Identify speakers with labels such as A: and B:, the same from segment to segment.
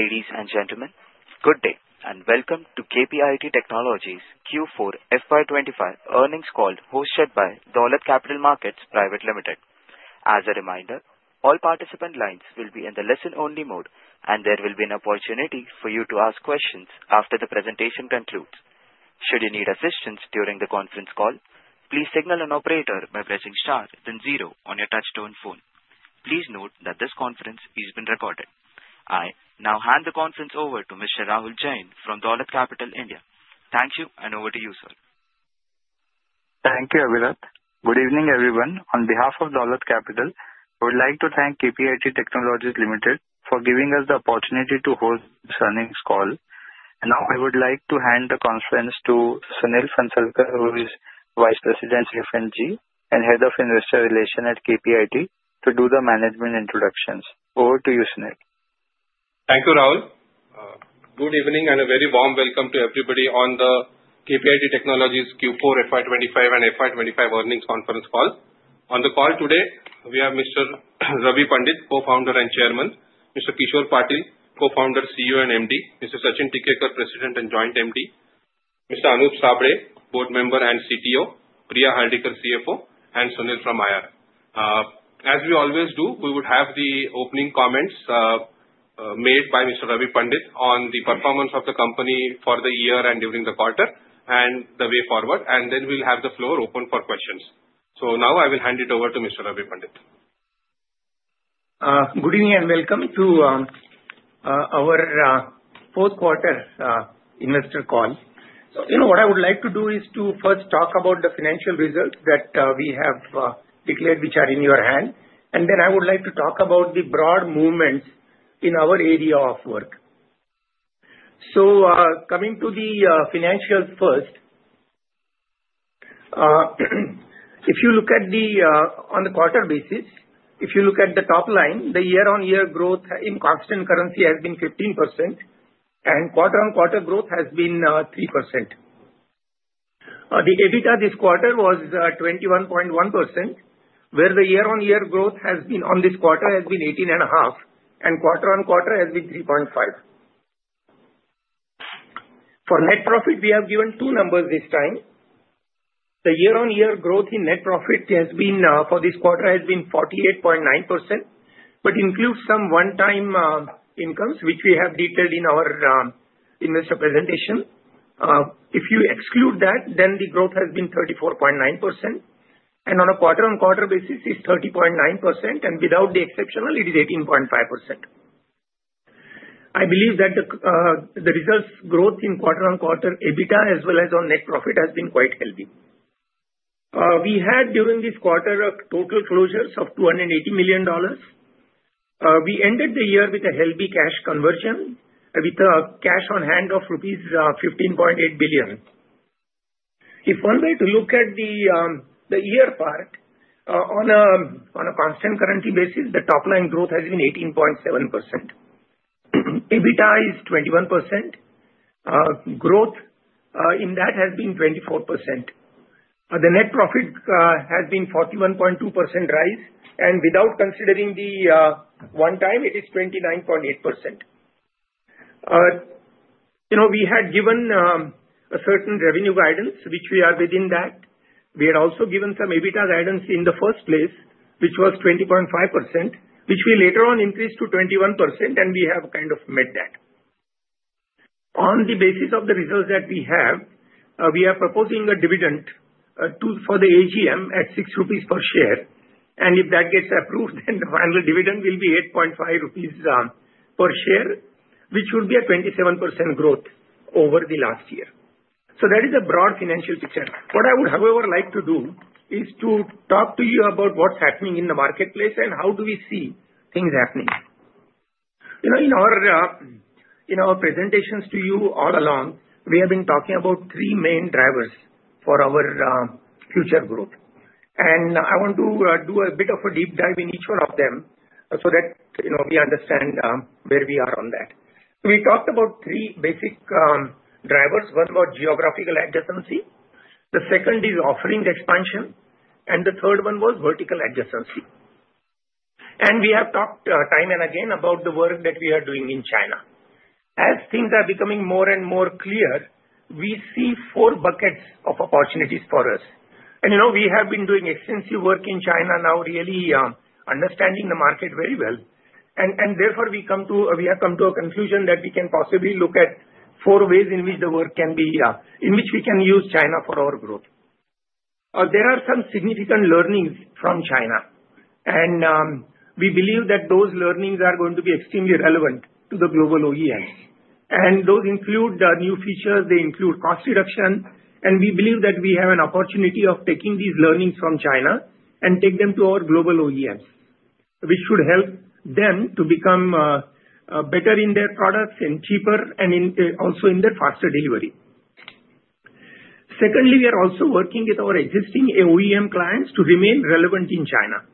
A: Ladies and gentlemen, good day and welcome to KPIT Technologies Q4 FY 2025 Earnings Call hosted by Dolat Capital Markets Private Ltd. As a reminder, all participant lines will be in the listen-only mode, and there will be an opportunity for you to ask questions after the presentation concludes. Should you need assistance during the conference call, please signal an operator by pressing star then zero on your touch-tone phone. Please note that this conference is being recorded. I now hand the conference over to Mr. Rahul Jain from Dolat Capital India. Thank you, and over to you, sir.
B: Thank you, Avirat. Good evening, everyone. On behalf of Dolat Capital, I would like to thank KPIT Technologies Ltd for giving us the opportunity to host this earnings call. I would now like to hand the conference to Sunil Phansalkar, who is Vice President of F&G and Head of Investor Relations at KPIT, to do the management introductions. Over to you, Sunil.
C: Thank you, Rahul. Good evening and a very warm welcome to everybody on the KPIT Technologies Q4 FY 2025 and FY 2025 earnings conference call. On the call today, we have Mr. Ravi Pandit, Co-Founder and Chairman, Mr. Kishor Patil, Co-Founder, CEO and MD, Mr. Sachin Tikekar, President and Joint MD, Mr. Anup Sable, Board Member and CTO, Priya Hardikar, CFO, and Sunil from IR. As we always do, we would have the opening comments made by Mr. Ravi Pandit on the performance of the company for the year and during the quarter and the way forward, and then we'll have the floor open for questions. Now I will hand it over to Mr. Ravi Pandit.
D: Good evening and welcome to our fourth quarter investor call. What I would like to do is to first talk about the financial results that we have declared, which are in your hand, and then I would like to talk about the broad movements in our area of work. Coming to the financials first, if you look at the on the quarter basis, if you look at the top line, the year-on-year growth in constant currency has been 15%, and quarter-on-quarter growth has been 3%. The EBITDA this quarter was 21.1%, where the year-on-year growth on this quarter has been 18.5%, and quarter-on-quarter has been 3.5%. For net profit, we have given two numbers this time. The year-on-year growth in net profit for this quarter has been 48.9%, but includes some one-time incomes, which we have detailed in our investor presentation. If you exclude that, then the growth has been 34.9%, and on a quarter-on-quarter basis, it's 30.9%, and without the exceptional, it is 18.5%. I believe that the results growth in quarter-on-quarter EBITDA as well as on net profit has been quite healthy. We had during this quarter a total closures of $280 million. We ended the year with a healthy cash conversion, with a cash on hand of INR 15.8 billion. If one were to look at the year part, on a constant currency basis, the top line growth has been 18.7%. EBITDA is 21%. Growth in that has been 24%. The net profit has been 41.2% rise, and without considering the one time, it is 29.8%. We had given a certain revenue guidance, which we are within that. We had also given some EBITDA guidance in the first place, which was 20.5%, which we later on increased to 21%, and we have kind of met that. On the basis of the results that we have, we are proposing a dividend for the AGM at 6 rupees per share, and if that gets approved, then the final dividend will be 8.5 rupees per share, which would be a 27% growth over the last year. That is the broad financial picture. What I would, however, like to do is to talk to you about what's happening in the marketplace and how do we see things happening. In our presentations to you all along, we have been talking about three main drivers for our future growth, and I want to do a bit of a deep dive in each one of them so that we understand where we are on that. We talked about three basic drivers. One was geographical adjacency. The second is offering expansion, and the third one was vertical adjacency. We have talked time and again about the work that we are doing in China. As things are becoming more and more clear, we see four buckets of opportunities for us. We have been doing extensive work in China now, really understanding the market very well, and therefore we have come to a conclusion that we can possibly look at four ways in which the work can be in which we can use China for our growth. There are some significant learnings from China, and we believe that those learnings are going to be extremely relevant to the global OEMs. Those include new features. They include cost reduction, and we believe that we have an opportunity of taking these learnings from China and taking them to our global OEMs, which should help them to become better in their products and cheaper and also in their faster delivery. Secondly, we are also working with our existing OEM clients to remain relevant in China.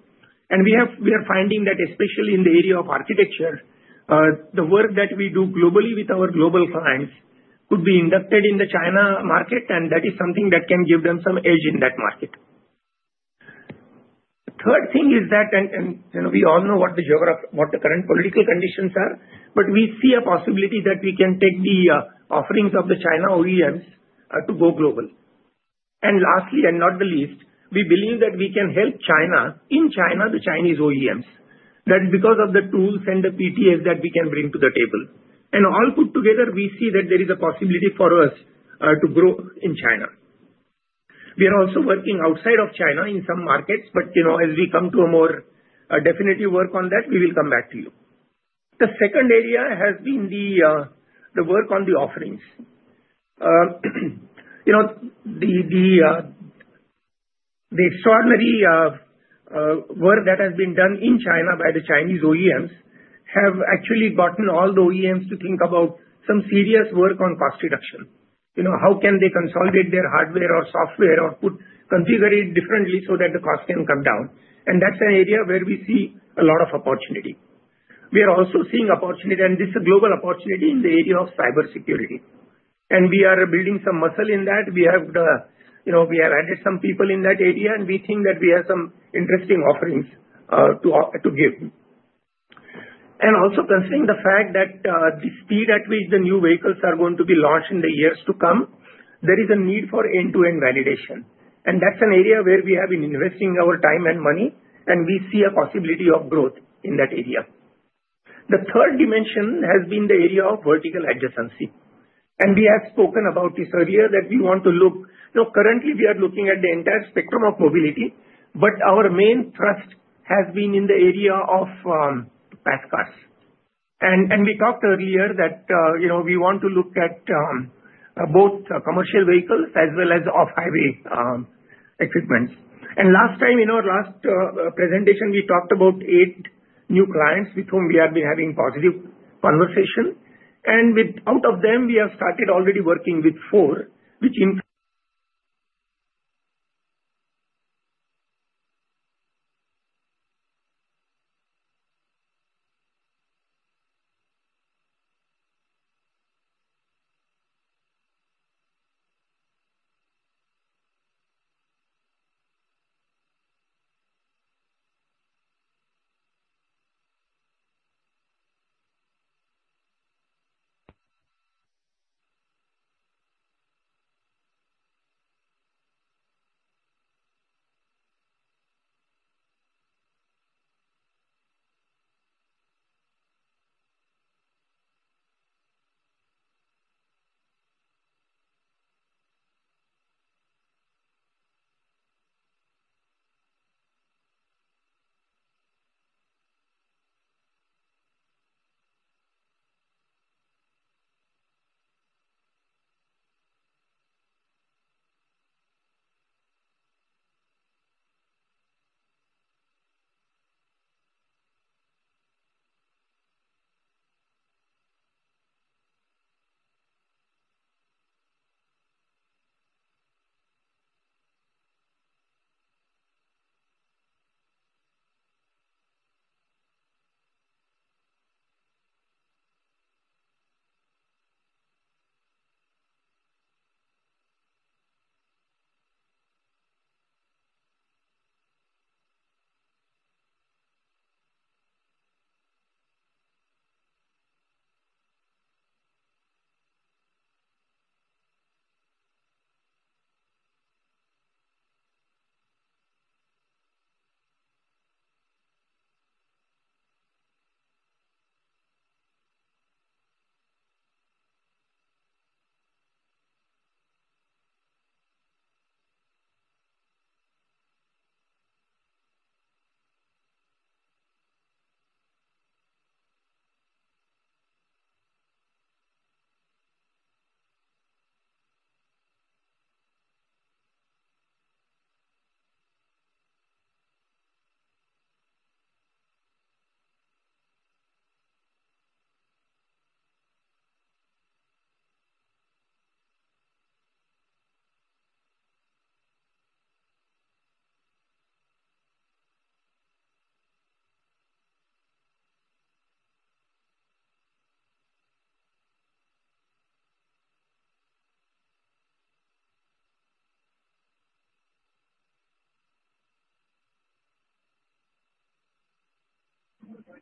D: We are finding that especially in the area of architecture, the work that we do globally with our global clients could be inducted in the China market, and that is something that can give them some edge in that market. The third thing is that we all know what the current political conditions are, but we see a possibility that we can take the offerings of the China OEMs to go global. Lastly, and not the least, we believe that we can help China in China, the Chinese OEMs. That is because of the tools and the PTAs that we can bring to the table. All put together, we see that there is a possibility for us to grow in China. We are also working outside of China in some markets, but as we come to a more definitive work on that, we will come back to you. The second area has been the work on the offerings. The extraordinary work that has been done in China by the Chinese OEMs has actually gotten all the OEMs to think about some serious work on cost reduction. How can they consolidate their hardware or software or configure it differently so that the cost can come down? That is an area where we see a lot of opportunity. We are also seeing opportunity, and this is a global opportunity in the area of cybersecurity. We are building some muscle in that. We have added some people in that area, and we think that we have some interesting offerings to give. Also, considering the fact that the speed at which the new vehicles are going to be launched in the years to come, there is a need for end-to-end validation. That is an area where we have been investing our time and money, and we see a possibility of growth in that area. The third dimension has been the area of vertical adjacency. We have spoken about this earlier that we want to look currently, we are looking at the entire spectrum of mobility, but our main thrust has been in the area of passenger cars. We talked earlier that we want to look at both commercial vehicles as well as off-highway equipments. Last time, in our last presentation, we talked about eight new clients with whom we have been having positive conversations. Out of them, we have started already working with four, which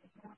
D: include.
A: Ladies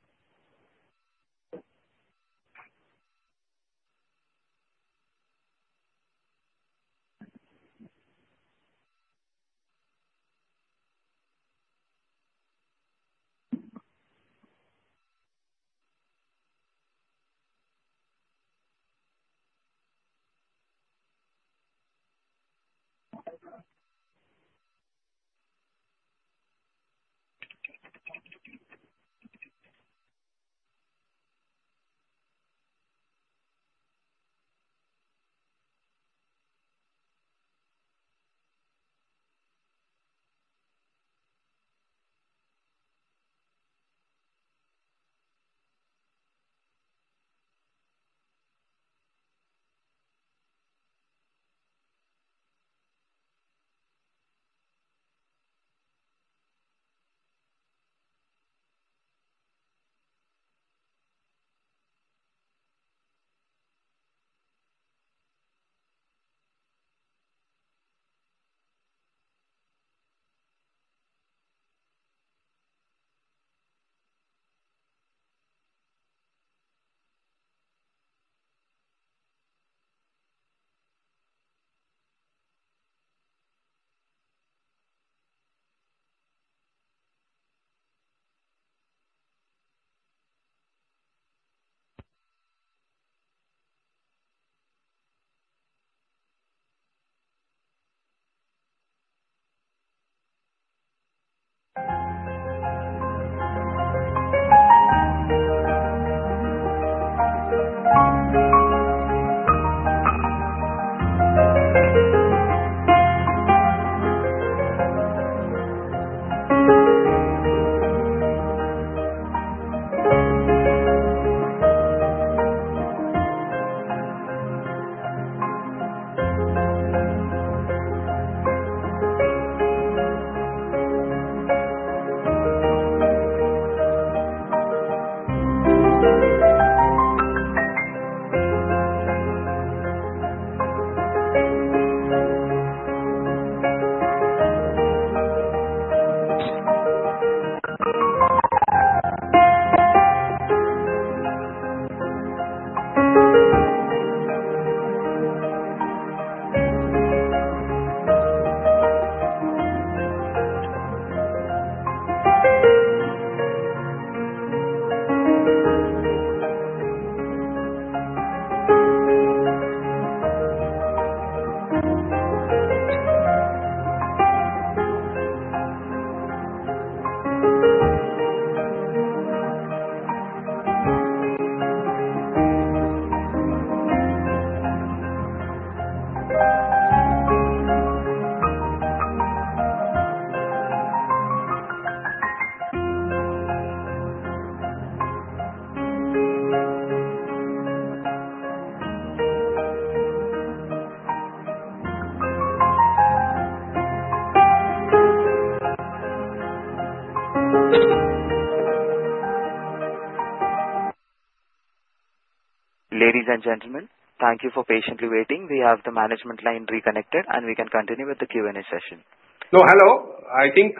A: and gentlemen, thank you for patiently waiting. We have the management line reconnected, and we can continue with the Q&A session.
C: Hello. I think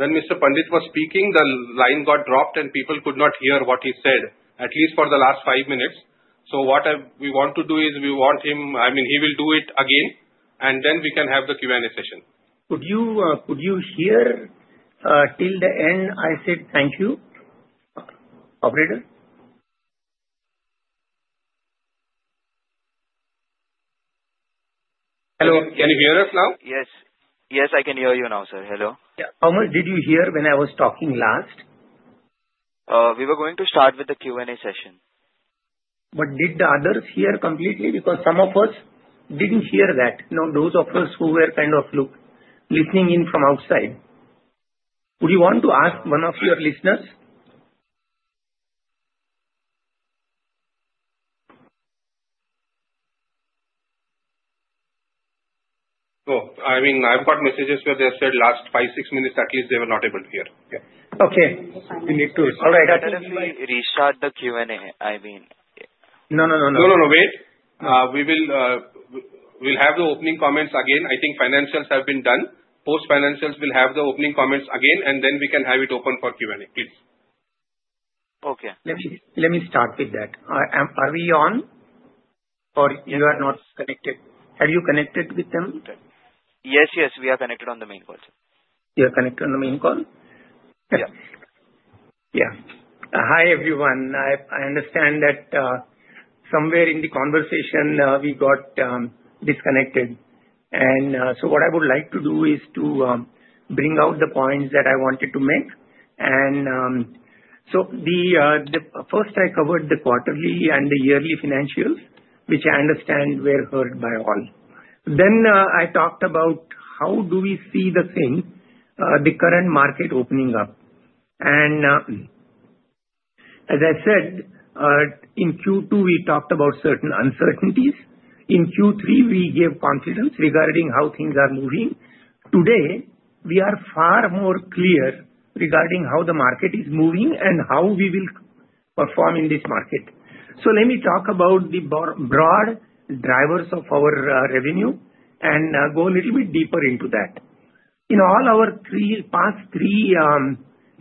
C: when Mr. Pandit was speaking, the line got dropped, and people could not hear what he said, at least for the last five minutes. What we want to do is we want him—I mean, he will do it again, and then we can have the Q&A session.
D: Could you hear till the end? I said thank you, operator.
C: Hello. Can you hear us now?
B: Yes. Yes, I can hear you now, sir. Hello.
D: How much did you hear when I was talking last?
B: We were going to start with the Q&A session.
D: Did the others hear completely? Some of us did not hear that. Those of us who were kind of listening in from outside. Would you want to ask one of your listeners?
B: I mean, I have got messages where they have said last five or six minutes, at least, they were not able to hear. All right.
A: I told them we restart the Q&A. I mean.
D: No, no, no.
C: No, no, no. Wait. We will have the opening comments again. I think financials have been done. Post-financials, we'll have the opening comments again, and then we can have it open for Q&A, please.
D: Okay. Let me start with that. Are we on? Or you are not connected? Have you connected with them?
B: Yes, yes. We are connected on the main call, sir.
D: You are connected on the main call?
B: Yeah. Yeah.
D: Hi, everyone. I understand that somewhere in the conversation, we got disconnected. What I would like to do is to bring out the points that I wanted to make. First, I covered the quarterly and the yearly financials, which I understand were heard by all. I talked about how do we see the current market opening up. As I said, in Q2, we talked about certain uncertainties. In Q3, we gave confidence regarding how things are moving. Today, we are far more clear regarding how the market is moving and how we will perform in this market. Let me talk about the broad drivers of our revenue and go a little bit deeper into that. In all our past three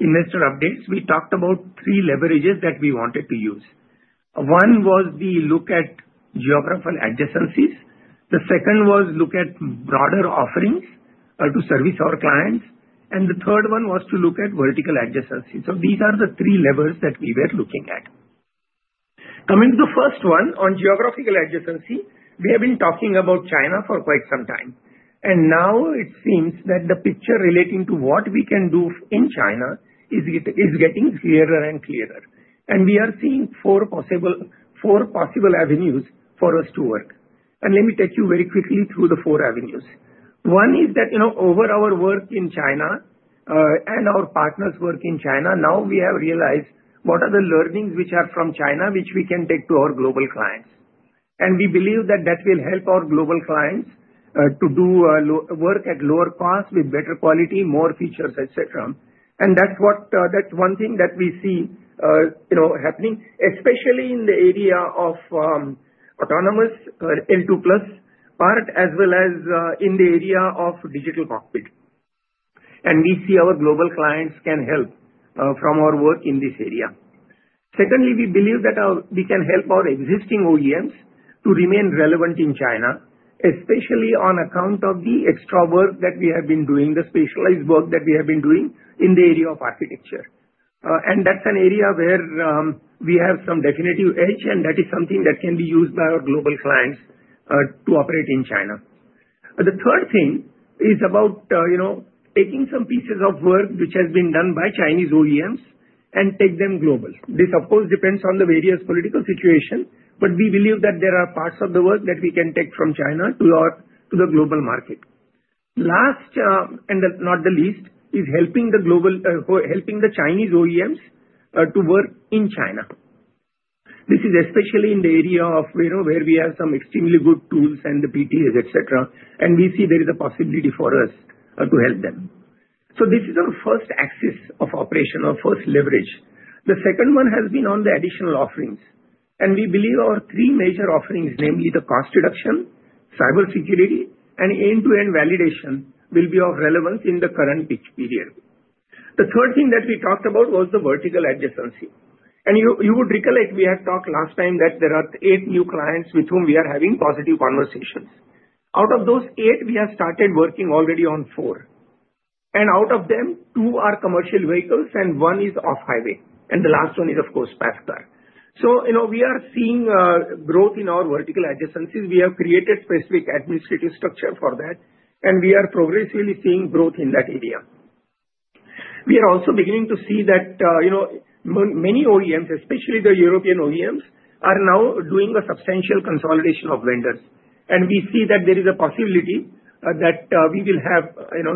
D: investor updates, we talked about three leverages that we wanted to use. One was the look at geographical adjacencies. The second was look at broader offerings to service our clients. The third one was to look at vertical adjacencies. These are the three levers that we were looking at. Coming to the first one, on geographical adjacency, we have been talking about China for quite some time. Now it seems that the picture relating to what we can do in China is getting clearer and clearer. We are seeing four possible avenues for us to work. Let me take you very quickly through the four avenues. One is that over our work in China and our partners' work in China, now we have realized what are the learnings which are from China which we can take to our global clients. We believe that that will help our global clients to do work at lower cost with better quality, more features, etc. That is one thing that we see happening, especially in the area of autonomous L2+ part as well as in the area of digital cockpit. We see our global clients can help from our work in this area. Secondly, we believe that we can help our existing OEMs to remain relevant in China, especially on account of the extra work that we have been doing, the specialized work that we have been doing in the area of architecture. That is an area where we have some definitive edge, and that is something that can be used by our global clients to operate in China. The third thing is about taking some pieces of work which has been done by Chinese OEMs and taking them global. This, of course, depends on the various political situation, but we believe that there are parts of the work that we can take from China to the global market. Last, and not the least, is helping the Chinese OEMs to work in China. This is especially in the area where we have some extremely good tools and the PTAs, etc. We see there is a possibility for us to help them. This is our first axis of operation, our first leverage. The second one has been on the additional offerings. We believe our three major offerings, namely the cost reduction, cybersecurity, and end-to-end validation, will be of relevance in the current peak period. The third thing that we talked about was the vertical adjacency. You would recollect we had talked last time that there are eight new clients with whom we are having positive conversations. Out of those eight, we have started working already on four. Out of them, two are commercial vehicles, and one is off-highway. The last one is, of course, passenger car. We are seeing growth in our vertical adjacencies. We have created specific administrative structure for that, and we are progressively seeing growth in that area. We are also beginning to see that many OEMs, especially the European OEMs, are now doing a substantial consolidation of vendors. We see that there is a possibility that we will have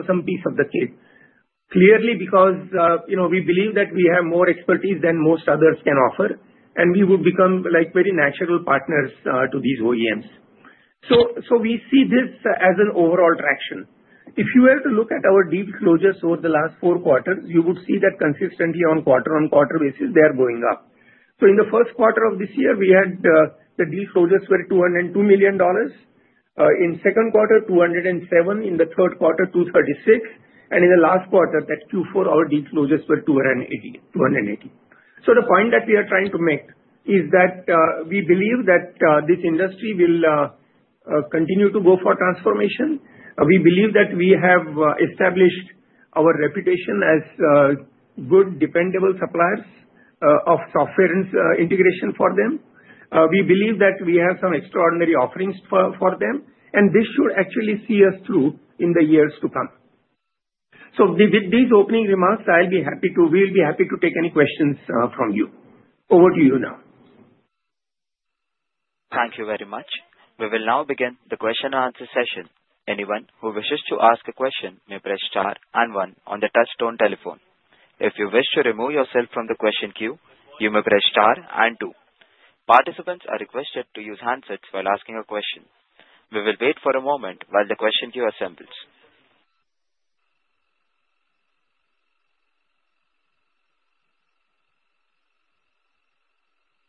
D: some piece of the cake. Clearly, because we believe that we have more expertise than most others can offer, and we would become very natural partners to these OEMs. We see this as an overall traction. If you were to look at our deal closures over the last four quarters, you would see that consistently on a quarter-on-quarter basis, they are going up. In the first quarter of this year, the deal closures were $202 million. In the second quarter, $207 million. In the third quarter, $236 million. In the last quarter, that Q4, our deal closures were $280 million. The point that we are trying to make is that we believe that this industry will continue to go for transformation. We believe that we have established our reputation as good, dependable suppliers of software integration for them. We believe that we have some extraordinary offerings for them, and this should actually see us through in the years to come. With these opening remarks, I'll be happy to—we'll be happy to take any questions from you. Over to you now.
A: Thank you very much. We will now begin the question-and-answer session. Anyone who wishes to ask a question may press star and one on the touchstone telephone. If you wish to remove yourself from the question queue, you may press star and two. Participants are requested to use handsets while asking a question. We will wait for a moment while the question queue assembles.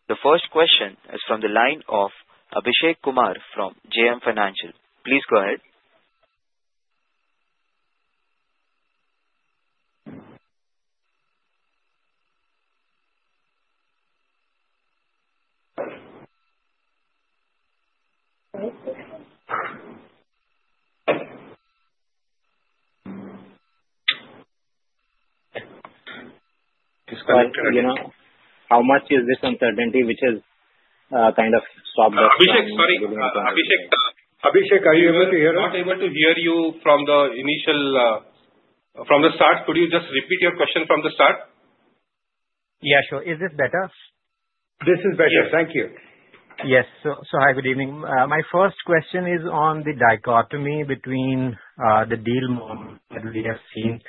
A: The first question is from the line of Abishek Kumar from JM Financial. Please go ahead.
E: How much is this uncertainty which has kind of stopped us?
B: Abhishek, sorry.
D: Abhishek, are you able to hear us?
B: Not able to hear you from the initial—from the start. Could you just repeat your question from the start?
E: Yeah, sure. Is this better?
B: This is better. Thank you.
E: Yes. Hi, good evening. My first question is on the dichotomy between the deal that we have seen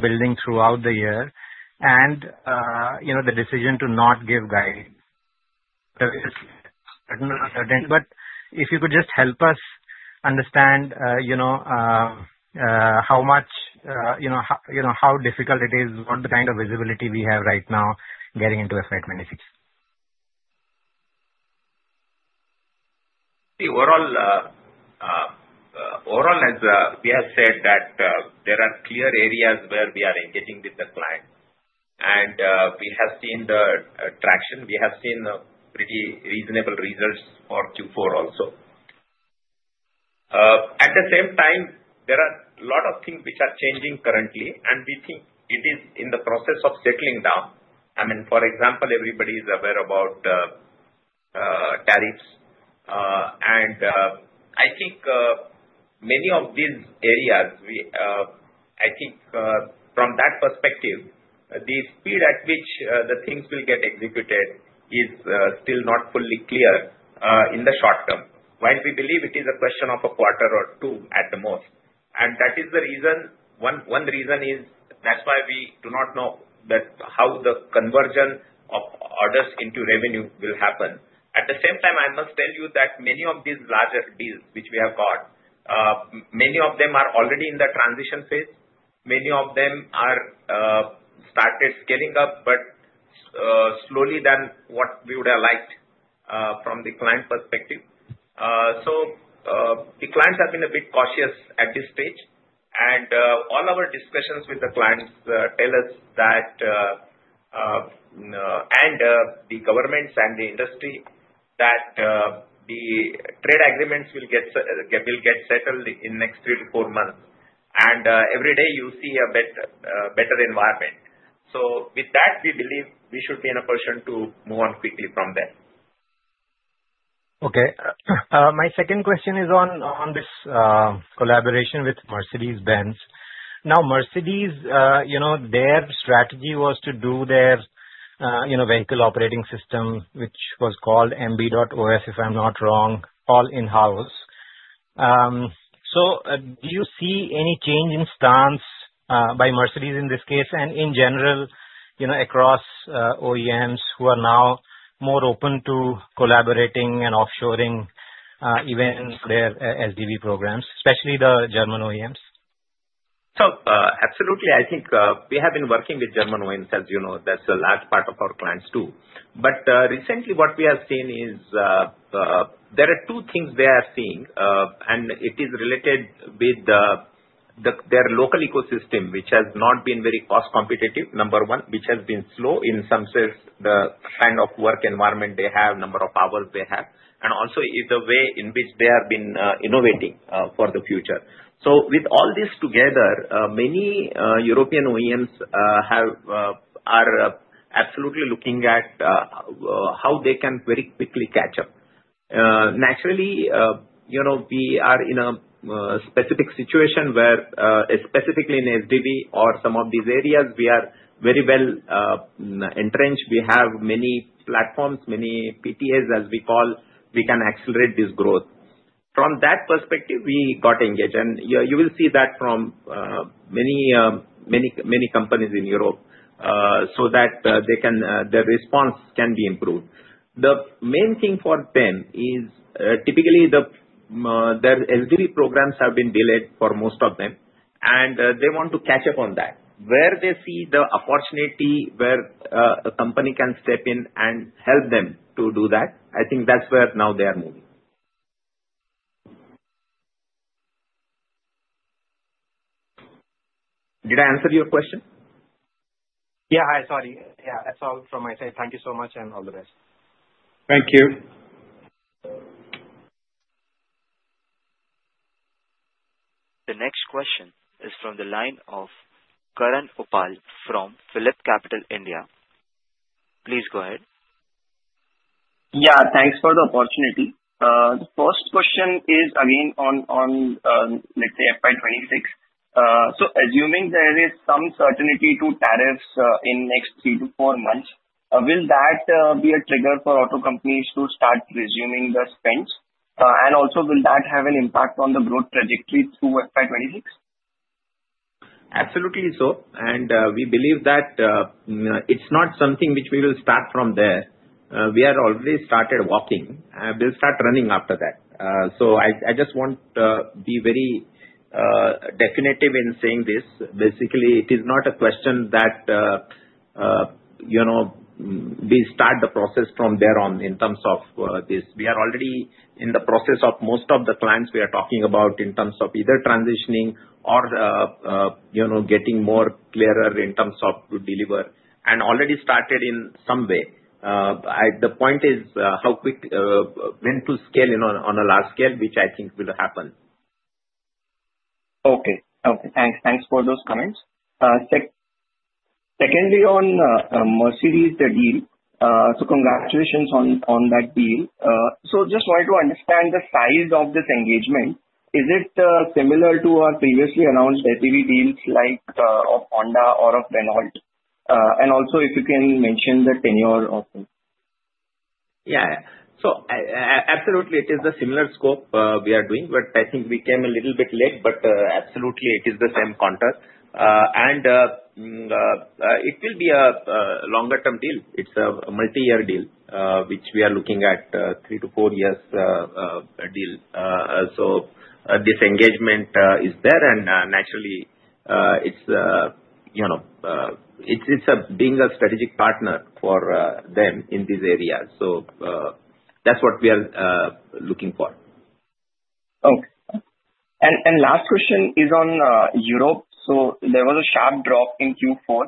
E: building throughout the year and the decision to not give guidance. If you could just help us understand how difficult it is, what the kind of visibility we have right now getting into FY2026.
F: Overall, as we have said, there are clear areas where we are engaging with the client. We have seen the traction. We have seen pretty reasonable results for Q4 also. At the same time, there are a lot of things which are changing currently, and we think it is in the process of settling down. I mean, for example, everybody is aware about tariffs. I think many of these areas, from that perspective, the speed at which the things will get executed is still not fully clear in the short term. While we believe it is a question of a quarter or two at the most. That is the reason—one reason is that's why we do not know how the conversion of orders into revenue will happen. At the same time, I must tell you that many of these larger deals which we have got, many of them are already in the transition phase. Many of them have started scaling up, but slowly than what we would have liked from the client perspective. The clients have been a bit cautious at this stage. All our discussions with the clients tell us that—the governments and the industry—that the trade agreements will get settled in the next three to four months. Every day, you see a better environment. With that, we believe we should be in a position to move on quickly from there.
E: Okay. My second question is on this collaboration with Mercedes-Benz. Now, Mercedes, their strategy was to do their vehicle operating system, which was called MB.OS, if I'm not wrong, all in-house. Do you see any change in stance by Mercedes in this case and in general across OEMs who are now more open to collaborating and offshoring even their SDV programs, especially the German OEMs?
F: Absolutely. I think we have been working with German OEMs, as you know. That's a large part of our clients too. Recently, what we have seen is there are two things they are seeing, and it is related with their local ecosystem, which has not been very cost-competitive, number one, which has been slow in some sense, the kind of work environment they have, number of hours they have, and also the way in which they have been innovating for the future. With all this together, many European OEMs are absolutely looking at how they can very quickly catch up. Naturally, we are in a specific situation where, specifically in SDV or some of these areas, we are very well entrenched. We have many platforms, many PTAs, as we call. We can accelerate this growth. From that perspective, we got engaged. You will see that from many companies in Europe so that their response can be improved. The main thing for them is typically their SDV programs have been delayed for most of them, and they want to catch up on that. Where they see the opportunity, where a company can step in and help them to do that, I think that's where now they are moving. Did I answer your question?
E: Yeah. Hi. Sorry. Yeah. That's all from my side. Thank you so much and all the best. Thank you.
A: The next question is from the line of Karan Uppal from Phillip Capital India. Please go ahead.
G: Yeah. Thanks for the opportunity. The first question is again on, let's say, FY2026. Assuming there is some certainty to tariffs in the next three to four months, will that be a trigger for auto companies to start resuming the spend? Also, will that have an impact on the growth trajectory through FY2026? Absolutely so.
F: We believe that it's not something which we will start from there. We have already started walking. We'll start running after that. I just want to be very definitive in saying this. Basically, it is not a question that we start the process from there on in terms of this. We are already in the process of most of the clients we are talking about in terms of either transitioning or getting more clearer in terms of deliver and already started in some way. The point is how quick when to scale on a large scale, which I think will happen.
G: Okay. Thanks. Thanks for those comments. Secondly, on Mercedes deal, congratulations on that deal. I just wanted to understand the size of this engagement. Is it similar to our previously announced SDV deals like of Honda or of Renault? If you can mention the tenure of them.
F: Yeah. Absolutely, it is the similar scope we are doing, but I think we came a little bit late. Absolutely, it is the same contour. It will be a longer-term deal. It's a multi-year deal, which we are looking at a three- to four-year deal. This engagement is there, and naturally, it's being a strategic partner for them in these areas. That's what we are looking for.
G: Okay. Last question is on Europe. There was a sharp drop in Q4.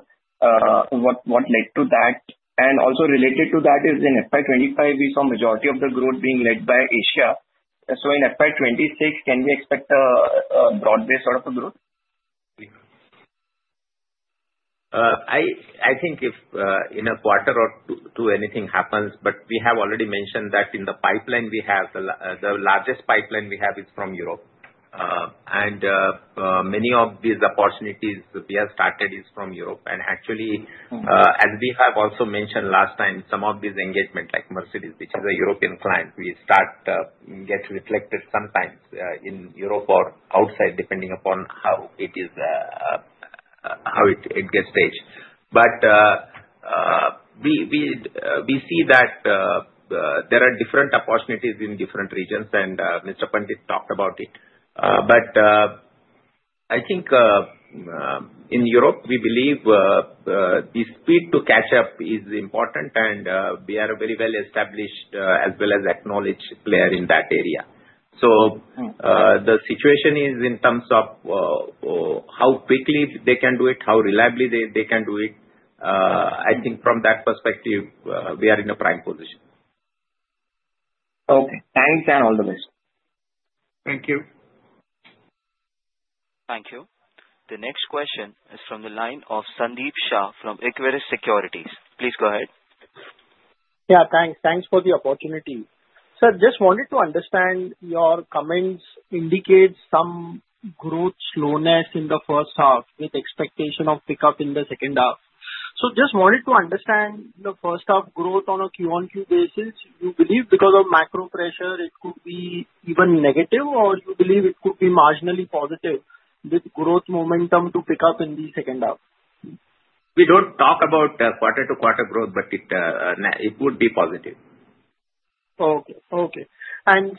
G: What led to that? Also related to that is in FY2025, we saw the majority of the growth being led by Asia. In FY2026, can we expect a broad-based sort of a growth?
F: I think if in a quarter or two anything happens, we have already mentioned that in the pipeline we have, the largest pipeline we have is from Europe. Many of these opportunities we have started are from Europe. Actually, as we have also mentioned last time, some of these engagements, like Mercedes, which is a European client, start getting reflected sometimes in Europe or outside, depending upon how it gets staged. We see that there are different opportunities in different regions, and Mr. Pandit talked about it. I think in Europe, we believe the speed to catch up is important, and we are a very well-established as well as acknowledged player in that area. The situation is in terms of how quickly they can do it, how reliably they can do it. I think from that perspective, we are in a prime position.
G: Okay. Thanks and all the best.
F: Thank you.
D: Thank you. The next question is from the line of Sandeep Shah from Equirus Securities. Please go ahead.
H: Yeah. Thanks. Thanks for the opportunity. Sir, just wanted to understand your comments indicate some growth slowness in the first half with expectation of pickup in the second half. Just wanted to understand the first-half growth on a Q-on-Q basis. You believe because of macro pressure, it could be even negative, or you believe it could be marginally positive with growth momentum to pick up in the second half?
F: We do not talk about quarter-to-quarter growth, but it would be positive.
H: Okay. Okay.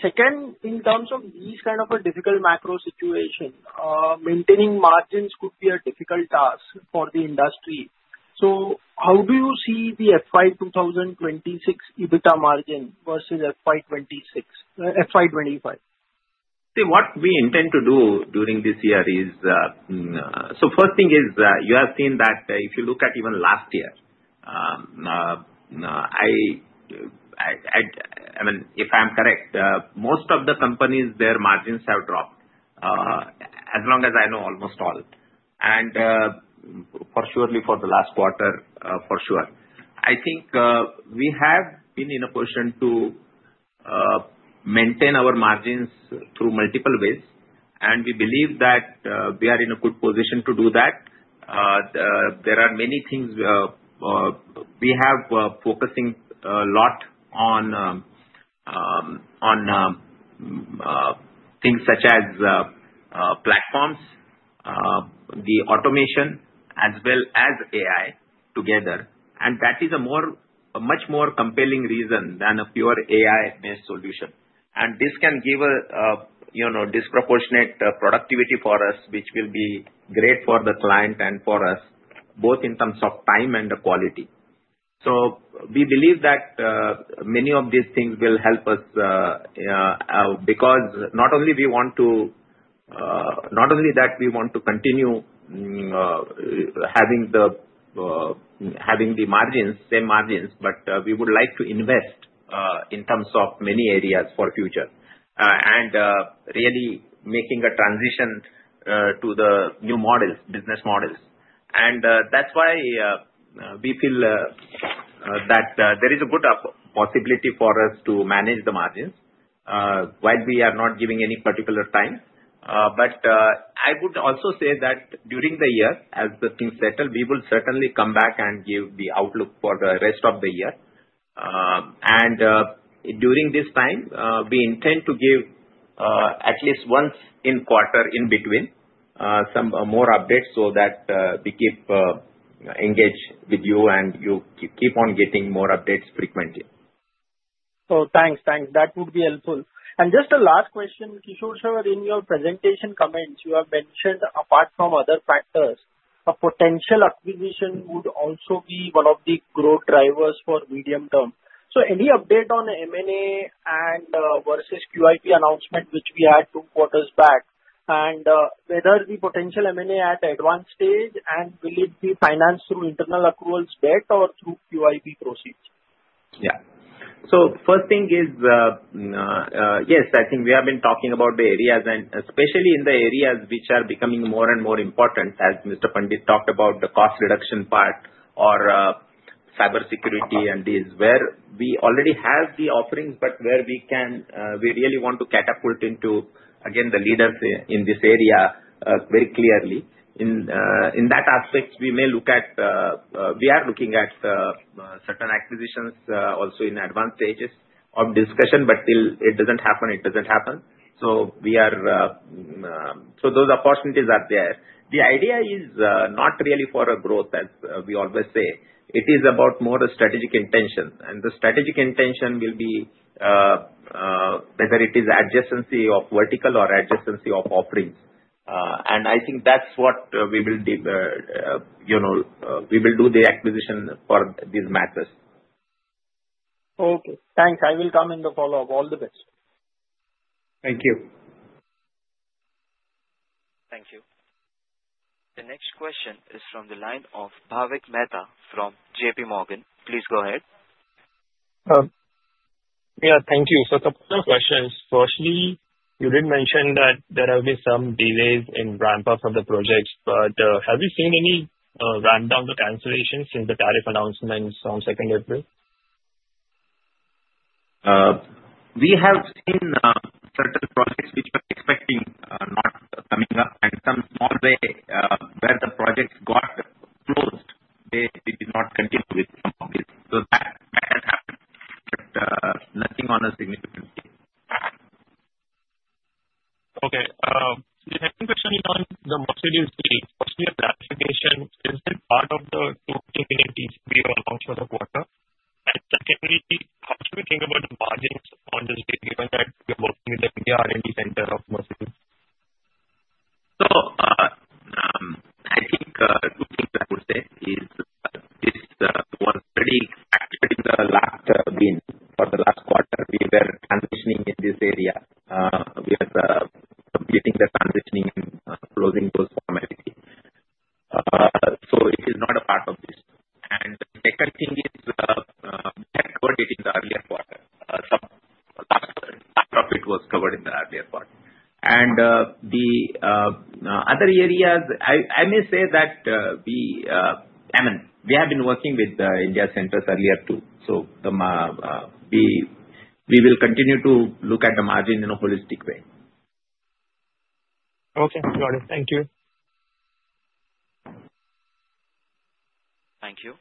H: Second, in terms of these kind of a difficult macro situation, maintaining margins could be a difficult task for the industry. How do you see the FY 2026 EBITDA margin versus FY 2025?
D: See, what we intend to do during this year is, first thing is, you have seen that if you look at even last year, I mean, if I'm correct, most of the companies, their margins have dropped, as long as I know, almost all. For sure, before the last quarter, for sure. I think we have been in a position to maintain our margins through multiple ways, and we believe that we are in a good position to do that. There are many things. We have been focusing a lot on things such as platforms, the automation, as well as AI together. That is a much more compelling reason than a pure AI-based solution. This can give a disproportionate productivity for us, which will be great for the client and for us, both in terms of time and the quality. We believe that many of these things will help us because not only we want to, not only that we want to continue having the same margins, but we would like to invest in terms of many areas for the future and really making a transition to the new models, business models. That is why we feel that there is a good possibility for us to manage the margins while we are not giving any particular time. I would also say that during the year, as the things settle, we will certainly come back and give the outlook for the rest of the year. During this time, we intend to give at least once in quarter in between some more updates so that we keep engaged with you and you keep on getting more updates frequently.
H: Thanks. Thanks. That would be helpful. Just a last question, Kishor Patil, in your presentation comments, you have mentioned, apart from other factors, a potential acquisition would also be one of the growth drivers for medium term. Any update on M&A versus QIP announcement, which we had two quarters back, and whether the potential M&A is at advanced stage, and will it be financed through internal accruals, debt, or through QIP proceeds?
F: Yeah. First thing is, yes, I think we have been talking about the areas, and especially in the areas which are becoming more and more important, as Mr. Pandit talked about the cost reduction part or cybersecurity and these, where we already have the offerings, but where we really want to catapult into, again, the leaders in this area very clearly. In that aspect, we may look at we are looking at certain acquisitions also in advance stages of discussion, but till it doesn't happen, it doesn't happen. Those opportunities are there. The idea is not really for a growth, as we always say. It is about more a strategic intention. The strategic intention will be whether it is adjacency of vertical or adjacency of offerings. I think that's what we will do the acquisition for these matters.
H: Okay. Thanks. I will come in the follow-up. All the best.
F: Thank you.
A: Thank you. The next question is from the line of Bhavik Mehta from JPMorgan. Please go ahead.
I: Yeah. Thank you. So a couple of questions. Firstly, you did mention that there have been some delays in ramp-up of the projects, but have you seen any ramp-down to cancellation since the tariff announcements on 2nd April?
F: We have seen certain projects which we were expecting not coming up, and some small way where the projects got closed, they did not continue with some of these. That has happened, but nothing on a significant scale.
I: Okay. The second question is on the Mercedes deal. Firstly, of that application, is it part of the 2020 deal we announced for the quarter? Secondly, how should we think about the margins on this deal, given that we are working with the India R&D Center of Mercedes?
F: I think two things I would say is this was pretty active in the last wind for the last quarter. We were transitioning in this area. We are completing the transitioning and closing those formalities. It is not a part of this. The second thing is we had covered it in the earlier quarter. Some of it was covered in the earlier quarter. The other areas, I may say that we, I mean, we have been working with India Centers earlier too. We will continue to look at the margin in a holistic way.
I: Okay. Got it. Thank you.
A: Thank you.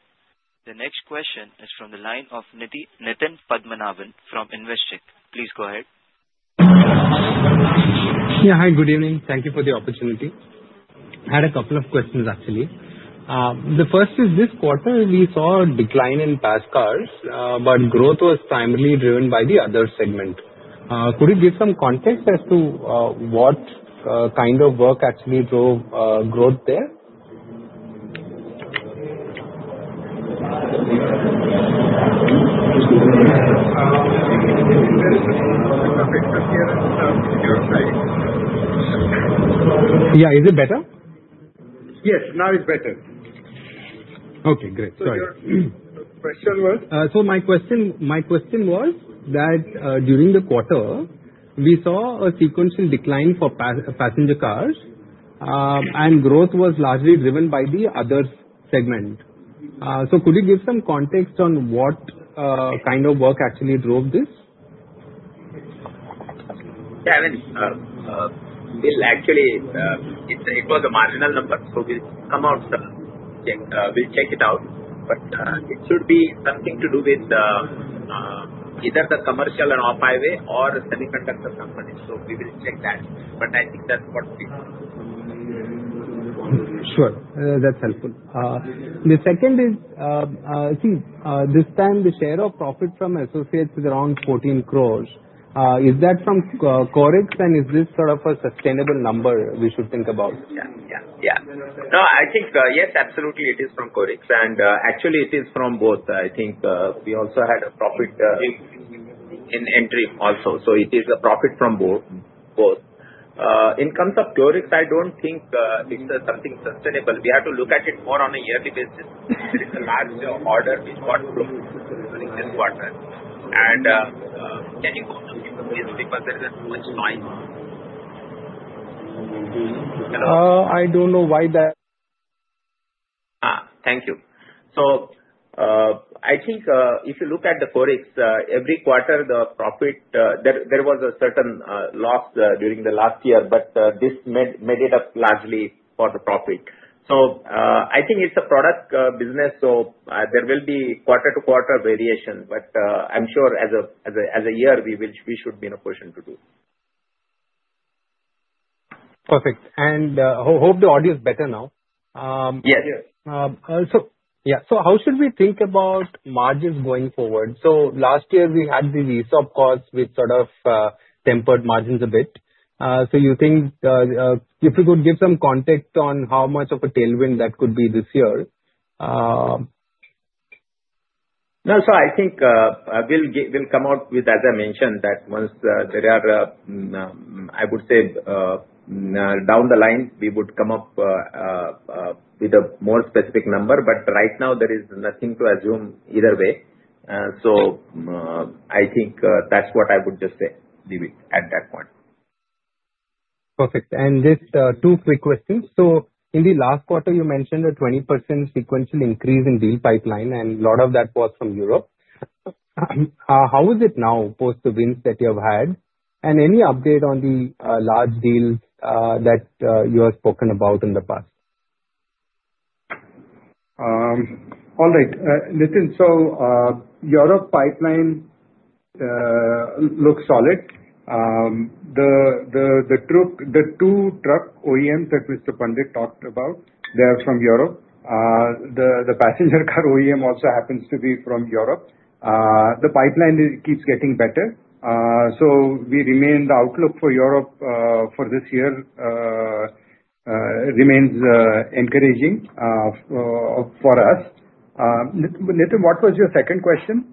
A: The next question is from the line of Nitin Padmanabhan from Investec. Please go ahead.
J: Yeah. Hi. Good evening. Thank you for the opportunity. I had a couple of questions, actually. The first is this quarter, we saw a decline in passenger cars, but growth was primarily driven by the other segment. Could you give some context as to what kind of work actually drove growth there? Yeah. Is it better?
C: Yes. Now it's better.
J: Okay. Great. Sorry.
C: Your question was?
J: My question was that during the quarter, we saw a sequential decline for passenger cars, and growth was largely driven by the other segment. Could you give some context on what kind of work actually drove this?
F: Yeah. I mean, actually, it was a marginal number. We will come out. We will check it out. It should be something to do with either the commercial and off-highway or semiconductor company. We will check that. I think that's what we—
J: Sure. That's helpful. The second is, this time, the share of profit from associates is around 14 crore. Is that from Qorix, and is this sort of a sustainable number we should think about? Yeah. Yeah. Yeah.
F: No, I think yes, absolutely. It is from Qorix. Actually, it is from both. I think we also had a profit in entry also. It is a profit from both. In terms of Qorix, I do not think it is something sustainable. We have to look at it more on a yearly basis. It is the last order which got approved during this quarter. Can you go to a few of these because there is not much noise? Hello?
J: I do not know why that—
F: Thank you. I think if you look at the Qorix, every quarter, there was a certain loss during the last year, but this made it up largely for the profit. I think it is a product business, so there will be quarter-to-quarter variation. I am sure as a year, we should be in a position to do.
J: Perfect. I hope the audio is better now.
F: Yes. Yeah.
J: How should we think about margins going forward? Last year, we had the ESOP costs which sort of tempered margins a bit. Do you think if you could give some context on how much of a tailwind that could be this year?
F: No, I think we'll come out with, as I mentioned, that once there are, I would say, down the line, we would come up with a more specific number. Right now, there is nothing to assume either way. I think that's what I would just say at that point.
J: Perfect. Just two quick questions. In the last quarter, you mentioned a 20% sequential increase in deal pipeline, and a lot of that was from Europe. How is it now post the wins that you have had? Any update on the large deals that you have spoken about in the past?
K: All right. Listen, Europe pipeline looks solid. The two truck OEMs that Mr. Pandit talked about, they are from Europe. The passenger car OEM also happens to be from Europe. The pipeline keeps getting better. The outlook for Europe for this year remains encouraging for us. Nitin, what was your second question?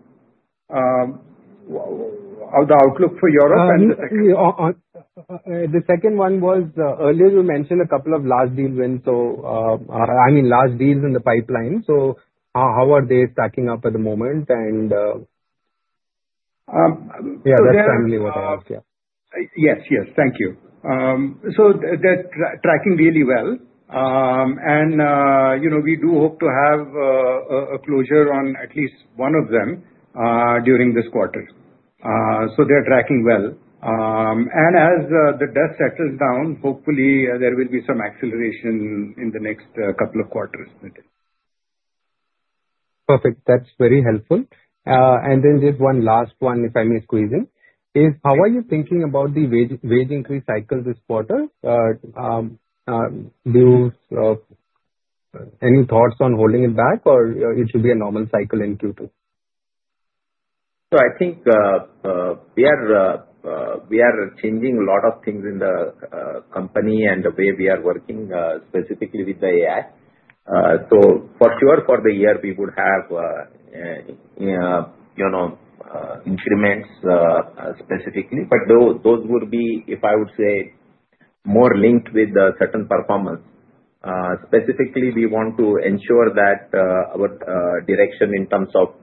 K: The outlook for Europe and the—
J: The second one was earlier, you mentioned a couple of large deal wins. I mean, large deals in the pipeline. How are they stacking up at the moment? Yeah, that's primarily what I have.
K: Yes. Yes. Thank you. They're tracking really well. We do hope to have a closure on at least one of them during this quarter. They're tracking well. As the dust settles down, hopefully, there will be some acceleration in the next couple of quarters.
J: Perfect. That's very helpful. Just one last one, if I may squeeze in, is how are you thinking about the wage increase cycle this quarter? Any thoughts on holding it back, or it should be a normal cycle in Q2?
F: I think we are changing a lot of things in the company and the way we are working, specifically with the AI. For sure, for the year, we would have increments specifically. Those would be, if I would say, more linked with certain performance. Specifically, we want to ensure that our direction in terms of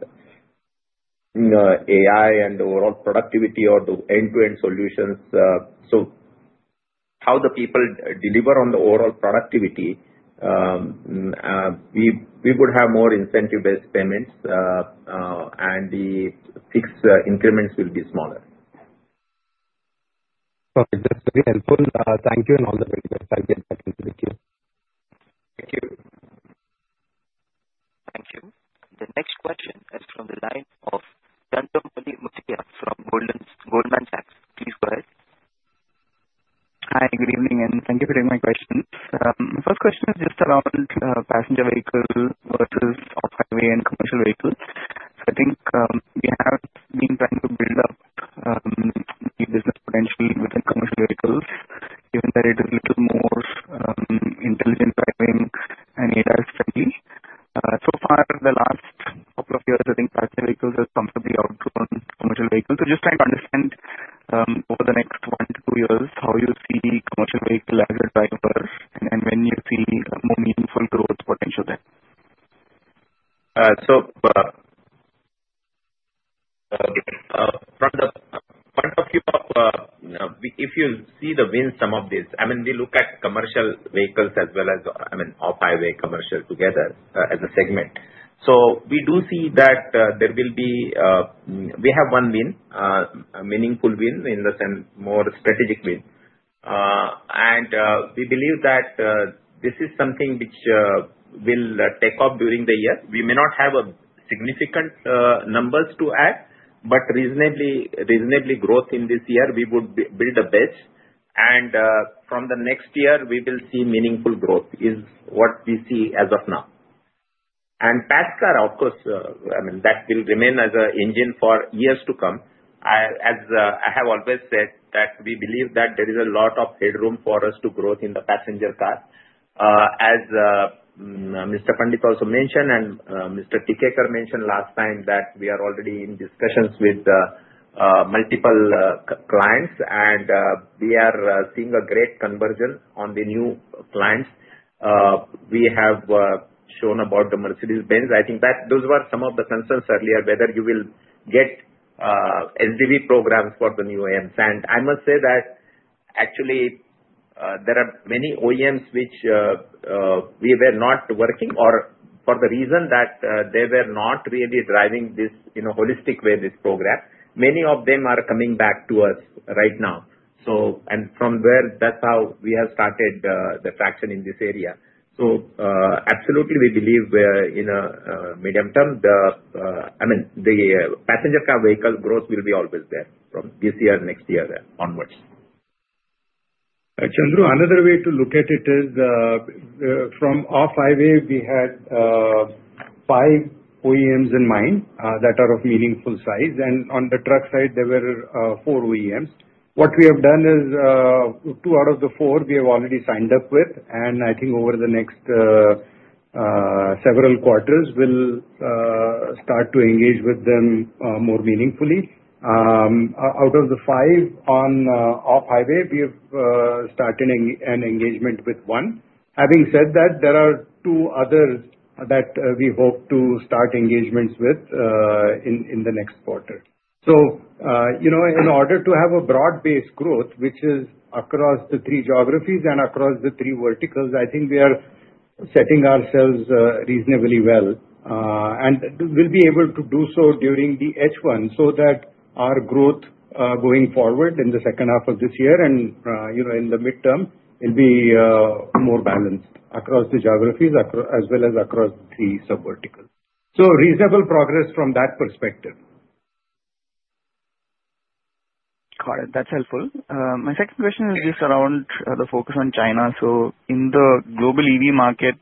F: AI and overall productivity or the end-to-end solutions. How the people deliver on the overall productivity, we would have more incentive-based payments, and the fixed increments will be smaller.
J: Perfect. That's very helpful. Thank you and all the very best. I'll get back into the queue. Thank you.
A: Thank you. The next question is from the line of Chandramouli Muthiah from Goldman Sachs. Please go ahead.
L: Hi. Good evening, and thank you for taking my questions. My first question is just around passenger vehicle versus off-highway and commercial vehicles. I think we have been trying to build up the business potential within commercial vehicles, given that it is a little more intelligent driving and AI-friendly. So far, the last couple of years, I think passenger vehicles have comfortably outgrown commercial vehicles. Just trying to understand over the next one to two years how you see commercial vehicle as a driver and when you see more meaningful growth potential there.
F: From the point of view of if you see the winds some of these, I mean, we look at commercial vehicles as well as, I mean, off-highway commercial together as a segment. We do see that there will be, we have one win, a meaningful win in the more strategic win. We believe that this is something which will take off during the year. We may not have significant numbers to add, but reasonably growth in this year, we would build a base. From the next year, we will see meaningful growth is what we see as of now. Passenger car, of course, I mean, that will remain as an engine for years to come. As I have always said, we believe that there is a lot of headroom for us to grow in the passenger car. As Mr. Pandit also mentioned and Mr. Tikekar mentioned last time, we are already in discussions with multiple clients, and we are seeing a great conversion on the new clients. We have shown about the Mercedes-Benz. I think those were some of the concerns earlier, whether you will get SDV programs for the new OEMs. I must say that actually, there are many OEMs which we were not working or for the reason that they were not really driving this holistic way, this program. Many of them are coming back to us right now. From there, that's how we have started the traction in this area. Absolutely, we believe in a medium term, I mean, the passenger car vehicle growth will be always there from this year, next year, and onwards.
K: Chandru, another way to look at it is from off-highway, we had five OEMs in mind that are of meaningful size. On the truck side, there were four OEMs. What we have done is two out of the four we have already signed up with. I think over the next several quarters, we'll start to engage with them more meaningfully. Out of the five on off-highway, we have started an engagement with one. Having said that, there are two others that we hope to start engagements with in the next quarter. In order to have a broad-based growth, which is across the three geographies and across the three verticals, I think we are setting ourselves reasonably well. We'll be able to do so during the H1 so that our growth going forward in the second half of this year and in the midterm will be more balanced across the geographies as well as across the three subverticals. Reasonable progress from that perspective.
L: Got it. That's helpful. My second question is just around the focus on China. In the global EV market,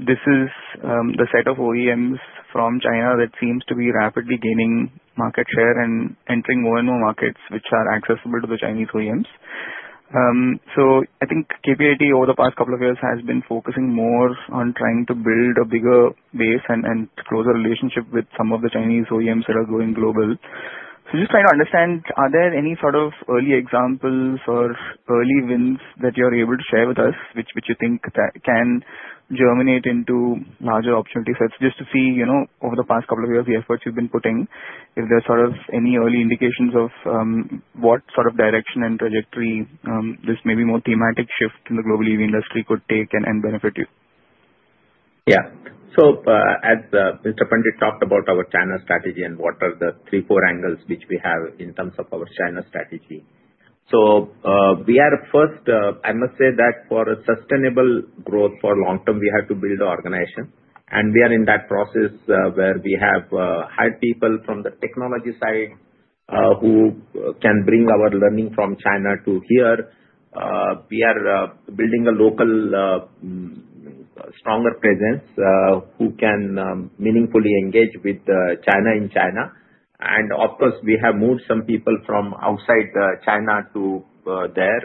L: this is the set of OEMs from China that seems to be rapidly gaining market share and entering more and more markets which are accessible to the Chinese OEMs. I think KPIT over the past couple of years has been focusing more on trying to build a bigger base and close a relationship with some of the Chinese OEMs that are growing global. Just trying to understand, are there any sort of early examples or early wins that you're able to share with us which you think can germinate into larger opportunity sets just to see over the past couple of years the efforts you've been putting, if there's any early indications of what sort of direction and trajectory this maybe more thematic shift in the global EV industry could take and benefit you?
F: Yeah. As Mr.
D: Pandit talked about our China strategy and what are the three, four angles which we have in terms of our China strategy. First, I must say that for sustainable growth for long term, we have to build our organization. We are in that process where we have hired people from the technology side who can bring our learning from China to here. We are building a local stronger presence who can meaningfully engage with China in China. Of course, we have moved some people from outside China to there,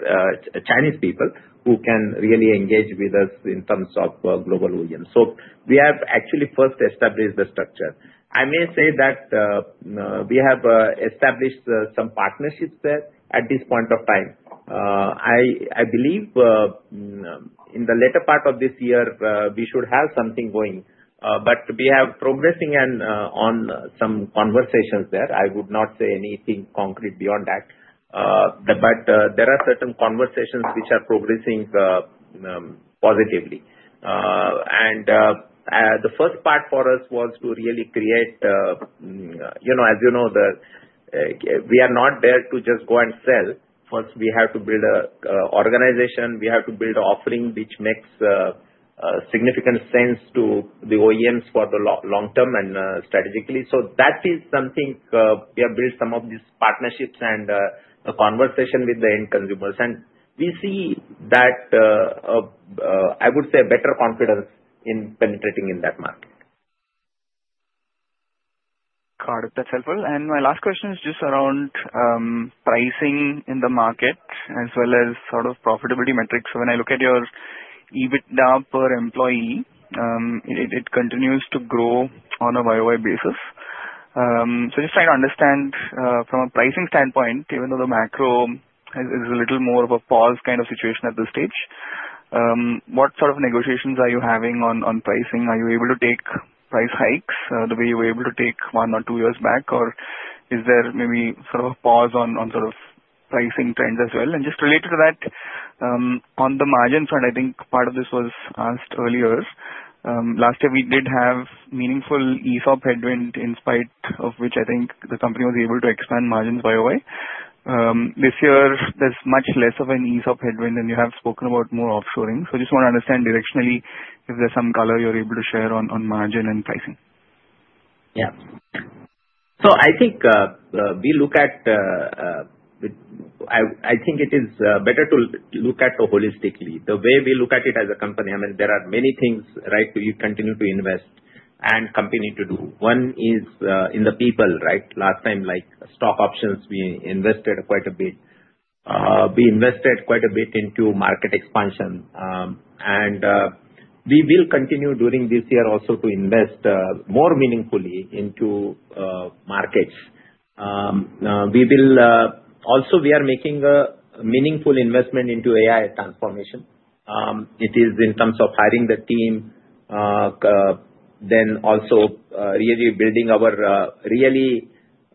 D: Chinese people who can really engage with us in terms of global OEMs. We have actually first established the structure. I may say that we have established some partnerships there at this point of time. I believe in the later part of this year, we should have something going. We are progressing on some conversations there. I would not say anything concrete beyond that. There are certain conversations which are progressing positively. The first part for us was to really create, as you know, we are not there to just go and sell. First, we have to build an organization. We have to build an offering which makes significant sense to the OEMs for the long term and strategically. That is something we have built, some of these partnerships and a conversation with the end consumers. We see that, I would say, a better confidence in penetrating in that market.
L: Got it. That's helpful. My last question is just around pricing in the market as well as sort of profitability metrics. When I look at your EBITDA per employee, it continues to grow on a year-by-year basis. Just trying to understand from a pricing standpoint, even though the macro is a little more of a pause kind of situation at this stage, what sort of negotiations are you having on pricing? Are you able to take price hikes the way you were able to take one or two years back? Or is there maybe sort of a pause on sort of pricing trends as well? Just related to that, on the margin side, I think part of this was asked earlier. Last year, we did have meaningful ESOP headwind in spite of which I think the company was able to expand margins by a way. This year, there is much less of an ESOP headwind, and you have spoken about more offshoring. I just want to understand directionally if there is some color you are able to share on margin and pricing.
F: Yeah. I think we look at it holistically. The way we look at it as a company, I mean, there are many things, right, we continue to invest and continue to do. One is in the people, right? Last time, like stock options, we invested quite a bit. We invested quite a bit into market expansion. We will continue during this year also to invest more meaningfully into markets. Also, we are making a meaningful investment into AI transformation. It is in terms of hiring the team, then also really building our really,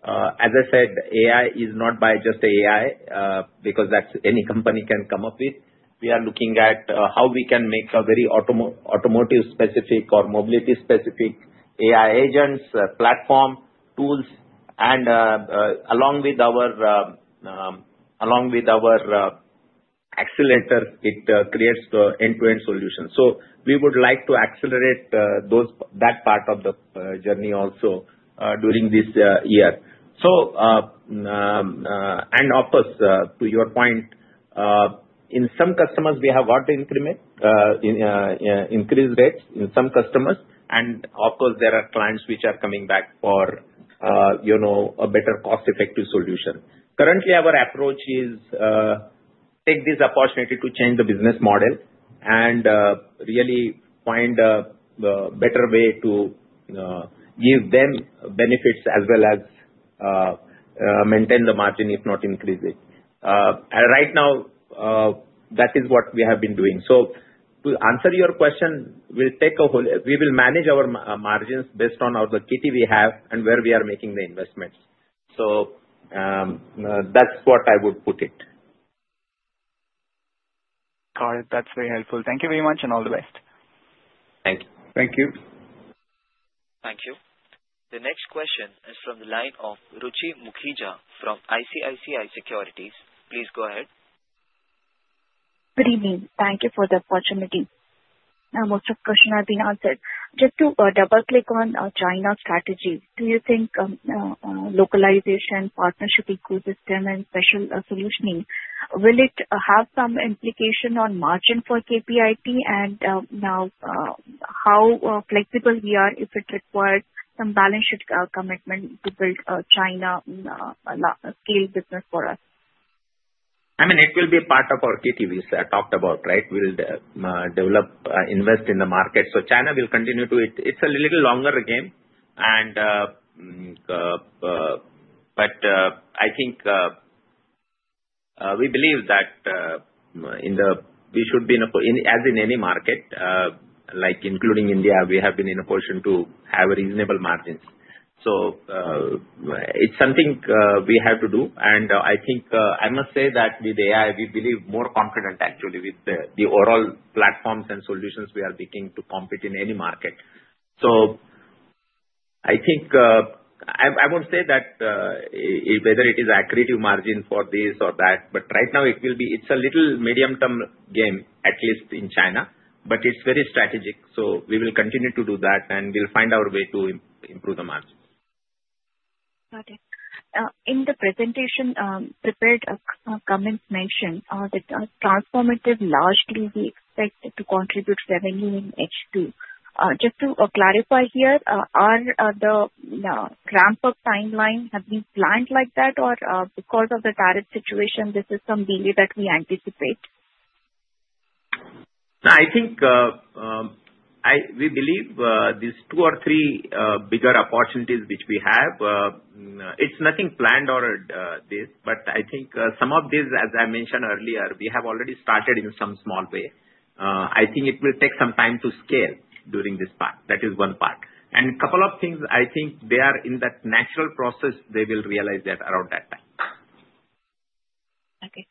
F: as I said, AI is not by just AI because that any company can come up with. We are looking at how we can make a very automotive-specific or mobility-specific AI agents, platform tools, and along with our accelerator, it creates end-to-end solutions. We would like to accelerate that part of the journey also during this year. Of course, to your point, in some customers, we have got to increment increase rates in some customers. Of course, there are clients which are coming back for a better cost-effective solution. Currently, our approach is take this opportunity to change the business model and really find a better way to give them benefits as well as maintain the margin, if not increase it. Right now, that is what we have been doing. To answer your question, we'll take a whole we will manage our margins based on the KPI we have and where we are making the investments. That's what I would put it.
L: Got it. That's very helpful. Thank you very much and all the best. Thank you.
F: Thank you.
A: Thank you. The next question comes from the line of Ruchi Mukhija from ICICI Securities. Please go ahead.
M: Good evening. Thank you for the opportunity. Most of the questions have been answered. Just to double-click on China strategy, do you think localization, partnership ecosystem, and special solutioning, will it have some implication on margin for KPIT? I mean, how flexible we are if it requires some balance sheet commitment to build a China-scale business for us?
F: I mean, it will be a part of our KPIs I talked about, right? We'll develop, invest in the market. China will continue to, it's a little longer game. I think we believe that we should be in a, as in any market, like including India, we have been in a position to have reasonable margins. It's something we have to do. I think I must say that with AI, we believe more confident, actually, with the overall platforms and solutions we are beginning to compete in any market. I think I won't say that whether it is accurate margin for this or that, but right now, it will be it's a little medium-term game, at least in China, but it's very strategic. We will continue to do that, and we'll find our way to improve the margins.
M: Got it. In the presentation prepared, comments mentioned that transformative largely we expect to contribute revenue in H2. Just to clarify here, are the ramp-up timeline have been planned like that, or because of the tariff situation, this is some delay that we anticipate?
F: I think we believe these two or three bigger opportunities which we have, it's nothing planned or this, but I think some of these, as I mentioned earlier, we have already started in some small way. I think it will take some time to scale during this part. That is one part. A couple of things, I think they are in that natural process, they will realize that around that time.
M: Okay.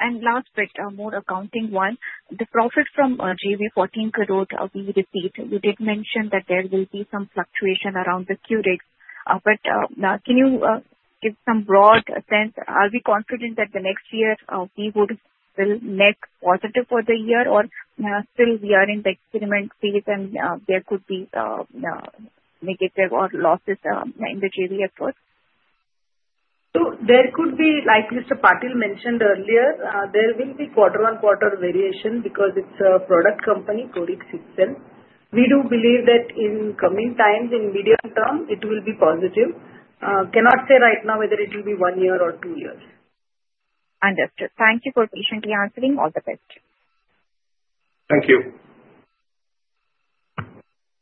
M: Last bit, a more accounting one. The profit from JV 14 crore rupees, we repeat, we did mention that there will be some fluctuation around the Qorix. Can you give some broad sense? Are we confident that the next year we will net positive for the year, or still we are in the experiment phase and there could be negative or losses in the JV effort?
N: There could be, like Mr. Patil mentioned earlier, there will be quarter-on-quarter variation because it's a product company, Qorix itself. We do believe that in coming times, in medium term, it will be positive. Cannot say right now whether it will be one year or two years.
M: Understood. Thank you for patiently answering. All the best.
F: Thank you.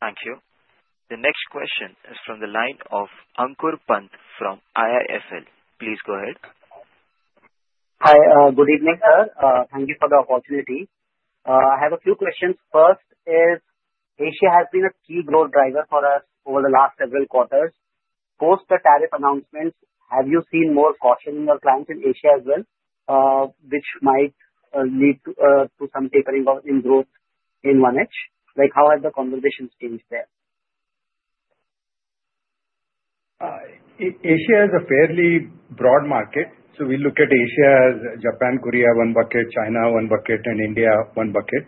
A: Thank you. The next question is from the line of Ankur Pant from IIFL. Please go ahead.
O: Hi. Good evening, sir. Thank you for the opportunity. I have a few questions. First is Asia has been a key growth driver for us over the last several quarters. Post the tariff announcements, have you seen more caution in your clients in Asia as well, which might lead to some tapering in growth in 1H? How have the conversations changed there?
K: Asia is a fairly broad market. We look at Asia as Japan, Korea, one bucket, China one bucket, and India one bucket.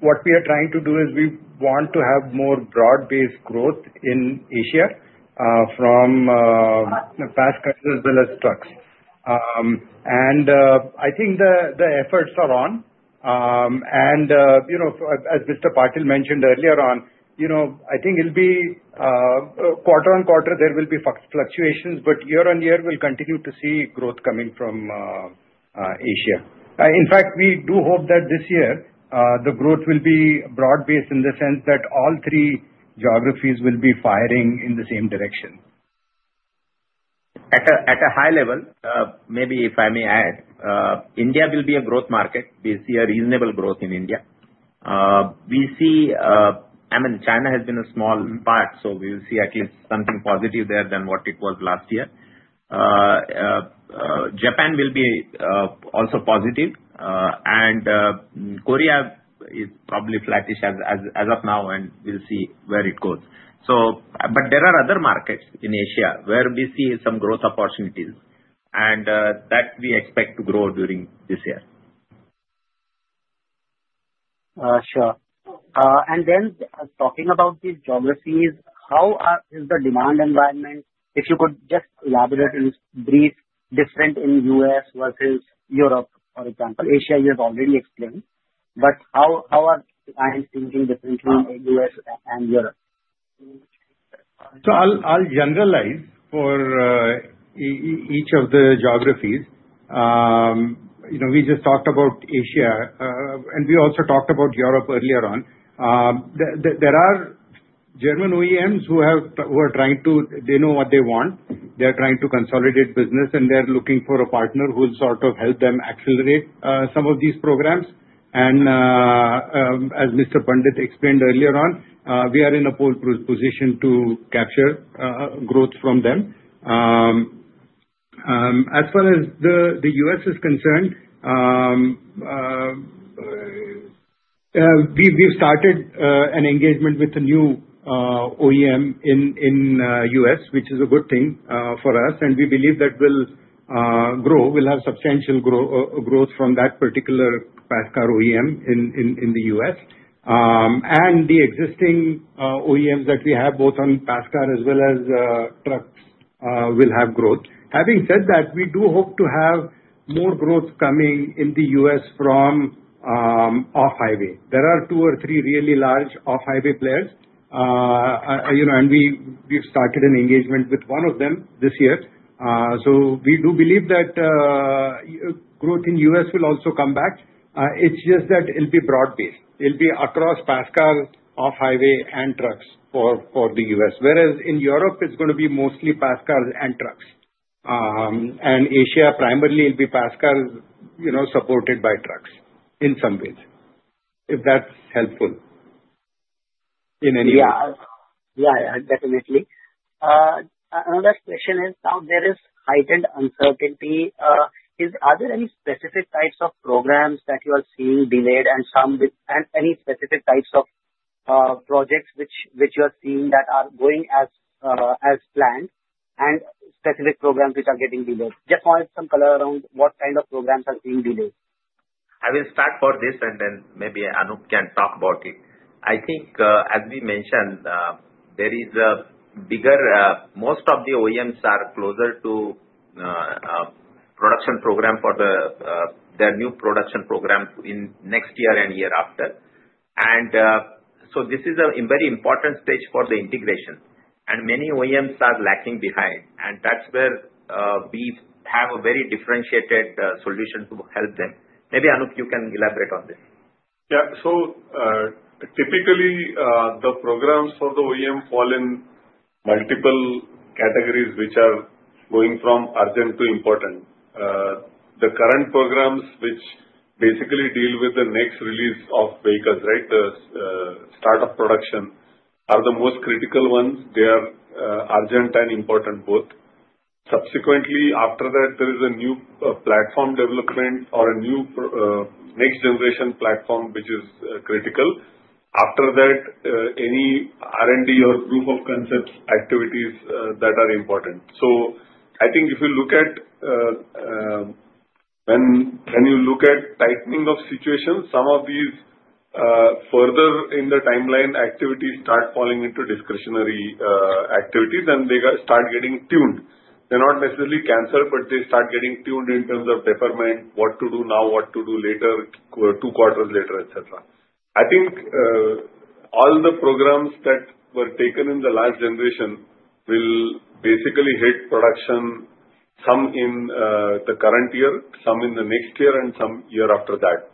K: What we are trying to do is we want to have more broad-based growth in Asia from passenger cars as well as trucks. I think the efforts are on. As Mr. Patil mentioned earlier on, I think quarter-on-quarter, there will be fluctuations, but year-on-year, we will continue to see growth coming from Asia. In fact, we do hope that this year, the growth will be broad-based in the sense that all three geographies will be firing in the same direction.
F: At a high level, maybe if I may add, India will be a growth market. We see a reasonable growth in India. I mean, China has been a small part, so we will see at least something positive there than what it was last year. Japan will be also positive. Korea is probably flattish as of now, and we'll see where it goes. There are other markets in Asia where we see some growth opportunities, and that we expect to grow during this year.
O: Sure. Talking about these geographies, how is the demand environment? If you could just elaborate in brief, different in U.S. versus Europe, for example. Asia you have already explained. How are clients thinking differently in U.S. and Europe?
K: I'll generalize for each of the geographies. We just talked about Asia, and we also talked about Europe earlier on. There are German OEMs who are trying to, they know what they want. They're trying to consolidate business, and they're looking for a partner who'll sort of help them accelerate some of these programs. As Mr. Pandit explained earlier on, we are in a pole position to capture growth from them. As far as the U.S. is concerned, we've started an engagement with a new OEM in the U.S., which is a good thing for us. We believe that we'll grow, we'll have substantial growth from that particular passenger car OEM in the U.S.. The existing OEMs that we have, both on passenger car as well as trucks, will have growth. Having said that, we do hope to have more growth coming in the U.S. from off-highway. There are two or three really large off-highway players. We've started an engagement with one of them this year. We do believe that growth in the U.S. will also come back. It's just that it'll be broad-based. It'll be across passenger car, off-highway, and trucks for the U.S. Whereas in Europe, it's going to be mostly passenger cars and trucks. Asia primarily will be passenger cars supported by trucks in some ways, if that's helpful in any way.
O: Yeah. Yeah. Yeah. Definitely. Another question is, now there is heightened uncertainty. Are there any specific types of programs that you are seeing delayed and any specific types of projects which you are seeing that are going as planned and specific programs which are getting delayed? Just wanted some color around what kind of programs are being delayed.
F: I will start for this, and then maybe Anup can talk about it. I think, as we mentioned, most of the OEMs are closer to production program for their new production program in next year and year after. This is a very important stage for the integration. Many OEMs are lacking behind. That is where we have a very differentiated solution to help them. Maybe Anup, you can elaborate on this.
P: Yeah. Typically, the programs for the OEM fall in multiple categories which are going from urgent to important. The current programs which basically deal with the next release of vehicles, right, the startup production, are the most critical ones. They are urgent and important both. Subsequently, after that, there is a new platform development or a new next-generation platform which is critical. After that, any R&D or proof of concepts activities that are important. I think if you look at when you look at tightening of situations, some of these further in the timeline activities start falling into discretionary activities, and they start getting tuned. They're not necessarily canceled, but they start getting tuned in terms of temperament, what to do now, what to do later, two quarters later, etc. I think all the programs that were taken in the last generation will basically hit production, some in the current year, some in the next year, and some year after that.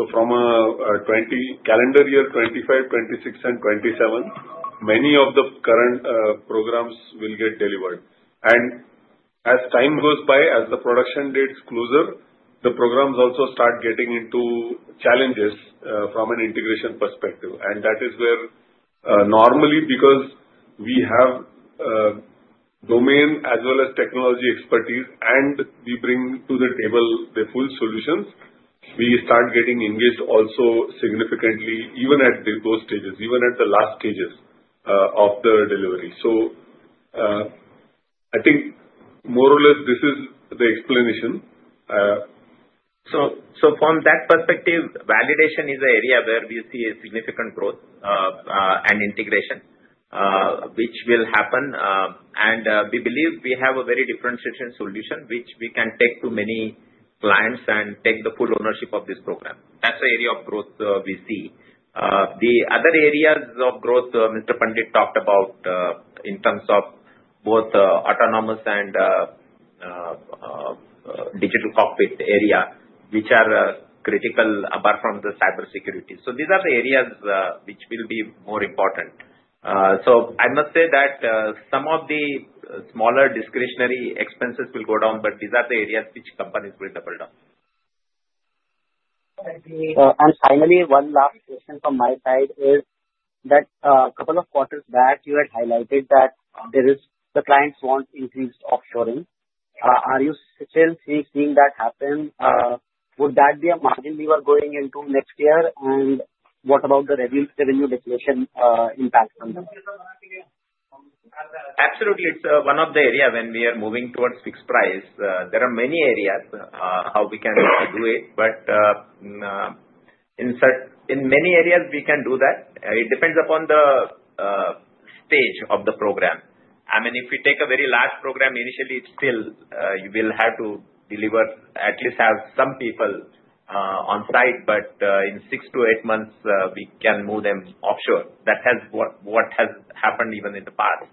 P: From a calendar year, 2025, 2026, and 2027, many of the current programs will get delivered. As time goes by, as the production dates get closer, the programs also start getting into challenges from an integration perspective. That is where normally, because we have domain as well as technology expertise, and we bring to the table the full solutions, we start getting engaged also significantly, even at those stages, even at the last stages of the delivery. I think more or less, this is the explanation.
F: From that perspective, validation is an area where we see significant growth and integration, which will happen. We believe we have a very differentiated solution which we can take to many clients and take the full ownership of this program. That is the area of growth we see. The other areas of growth Mr. Pandit talked about in terms of both autonomous and digital cockpit area, which are critical apart from the cybersecurity. These are the areas which will be more important. I must say that some of the smaller discretionary expenses will go down, but these are the areas which companies will double down.
O: Finally, one last question from my side is that a couple of quarters back, you had highlighted that there is the clients want increased offshoring. Are you still seeing that happen? Would that be a margin we are going into next year? What about the revenue depletion impact on them?
F: Absolutely. It's one of the areas when we are moving towards fixed price. There are many areas how we can do it. In many areas, we can do that. It depends upon the stage of the program. I mean, if we take a very large program initially, you will have to deliver at least have some people on site, but in six to eight months, we can move them offshore. That is what has happened even in the past.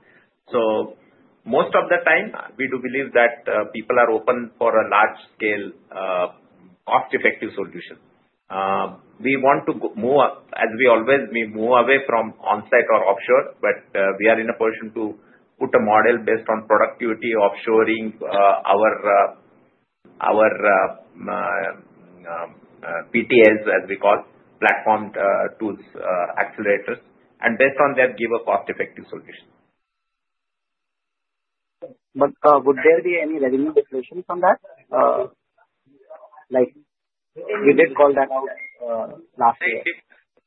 F: Most of the time, we do believe that people are open for a large-scale, cost-effective solution. We want to move as we always, we move away from on-site or offshore, but we are in a position to put a model based on productivity, offshoring our PTA, as we call, platform tools, accelerators. Based on that, give a cost-effective solution.
O: Would there be any revenue depletion from that? We did call that out last year.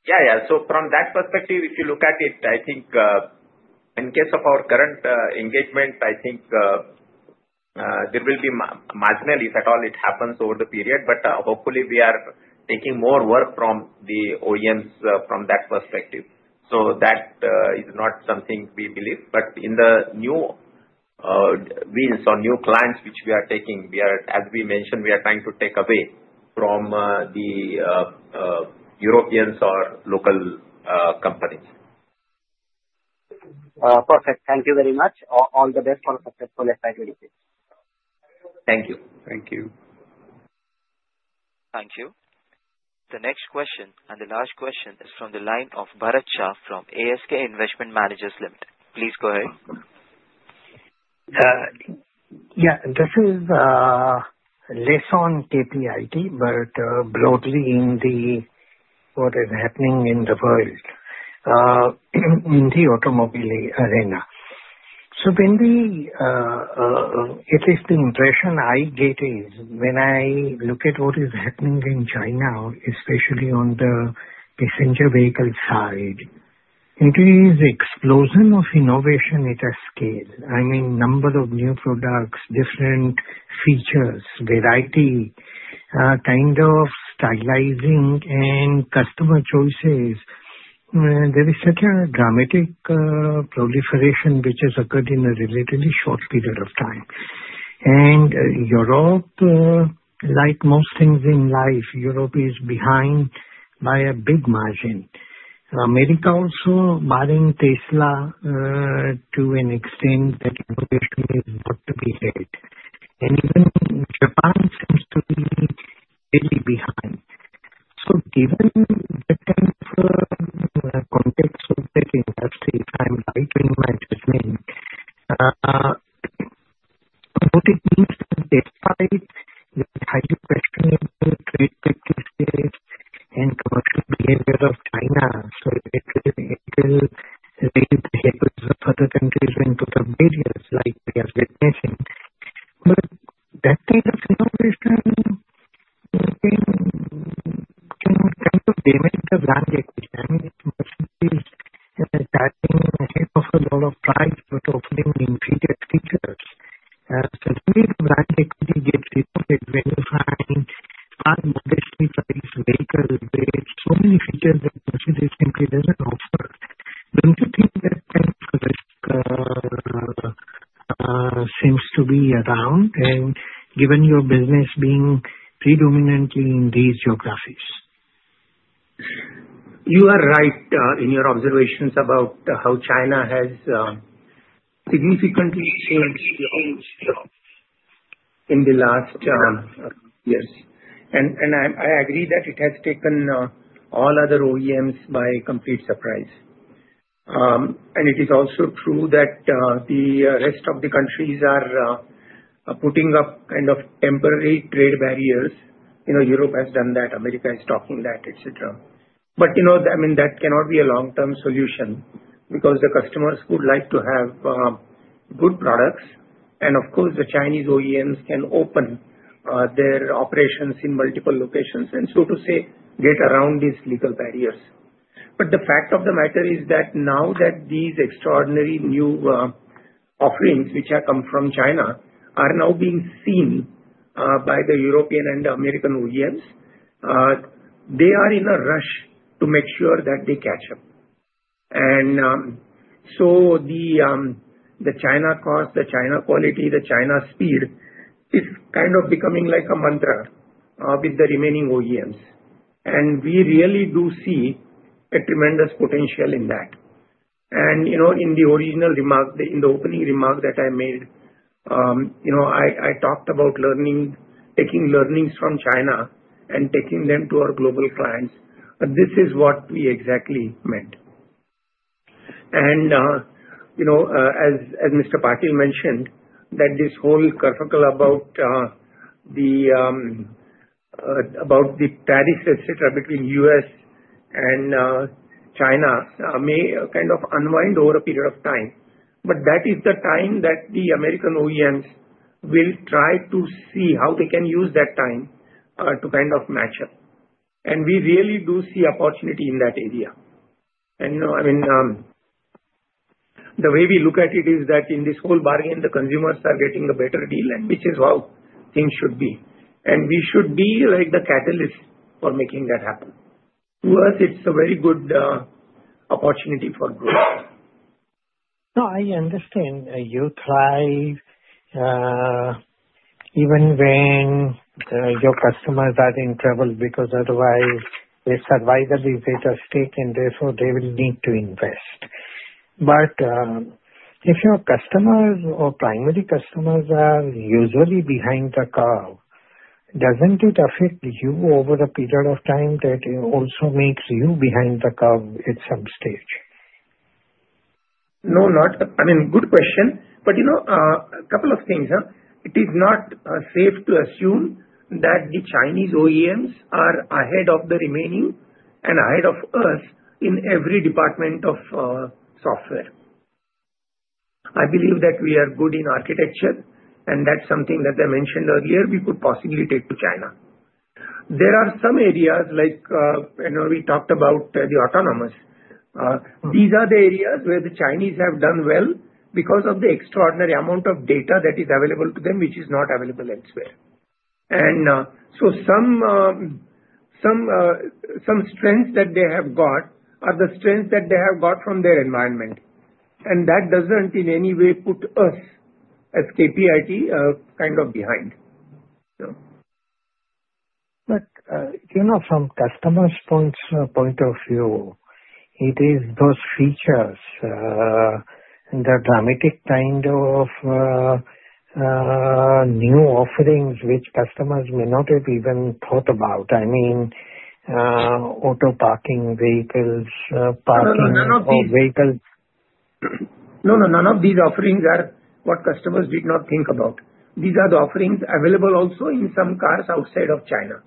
F: Yeah. Yeah. From that perspective, if you look at it, I think in case of our current engagement, I think there will be marginal, if at all, it happens over the period. Hopefully, we are taking more work from the OEMs from that perspective. That is not something we believe. In the new wheels or new clients which we are taking, as we mentioned, we are trying to take away from the Europeans or local companies.
O: Perfect. Thank you very much.
D: All the best for a successful FY2026. Thank you.
F: Thank you.
A: Thank you. The next question and the last question is from the line of Bharat Shah from ASK Investment Managers Ltd. Please go ahead.
Q: Yeah. This is less on KPIT, but broadly in what is happening in the world in the automobile arena. When we, at least the impression I get is when I look at what is happening in China, especially on the passenger vehicle side, it is the explosion of innovation at a scale. I mean, number of new products, different features, variety, kind of stylizing, and customer choices. There is such a dramatic proliferation which has occurred in a relatively short period of time. Europe, like most things in life, Europe is behind by a big margin. America also, barring Tesla, to an extent that innovation is not to be had. Even Japan seems to be really behind. Given the kind of context of that industry, if I'm right in my judgment, what it means is despite the highly questionable trade practices and commercial behavior of China, it will raise the heck of other countries into some areas like we are witnessing. That kind of innovation can kind of damage the brand equity. I mean, Mercedes is driving ahead of a lot of prides but offering inferior features. When brand equity gets reported very high, far more this vehicle with so many features that Mercedes simply doesn't offer, don't you think that kind of risk seems to be around and given your business being predominantly in these geographies?
D: You are right in your observations about how China has significantly changed the whole scope in the last years. I agree that it has taken all other OEMs by complete surprise. It is also true that the rest of the countries are putting up kind of temporary trade barriers. Europe has done that. America is talking that, etc. I mean, that cannot be a long-term solution because the customers would like to have good products. Of course, the Chinese OEMs can open their operations in multiple locations and, so to say, get around these legal barriers. The fact of the matter is that now that these extraordinary new offerings which have come from China are now being seen by the European and American OEMs, they are in a rush to make sure that they catch up. The China cost, the China quality, the China speed is kind of becoming like a mantra with the remaining OEMs. We really do see a tremendous potential in that. In the original remark, in the opening remark that I made, I talked about taking learnings from China and taking them to our global clients. This is what we exactly meant. As Mr. Patil mentioned, this whole caracle about the tariffs, etc., between U.S. and China may kind of unwind over a period of time. That is the time that the American OEMs will try to see how they can use that time to kind of match up. We really do see opportunity in that area. I mean, the way we look at it is that in this whole bargain, the consumers are getting a better deal, which is how things should be. We should be like the catalyst for making that happen. To us, it's a very good opportunity for growth.
Q: No, I understand. You try even when your customers are in trouble because otherwise they survive at least at a stake and therefore they will need to invest. If your customers or primary customers are usually behind the curve, does it not affect you over a period of time that also makes you behind the curve at some stage?
D: No, not. I mean, good question. A couple of things. It is not safe to assume that the Chinese OEMs are ahead of the remaining and ahead of us in every department of software. I believe that we are good in architecture, and that's something that I mentioned earlier we could possibly take to China. There are some areas like we talked about the autonomous. These are the areas where the Chinese have done well because of the extraordinary amount of data that is available to them, which is not available elsewhere. Some strengths that they have got are the strengths that they have got from their environment. That does not in any way put us as KPIT kind of behind.
Q: From customer's point of view, it is those features, the dramatic kind of new offerings which customers may not have even thought about. I mean, auto parking, vehicles, parking for vehicles.
D: No, none of these offerings are what customers did not think about. These are the offerings available also in some cars outside of China.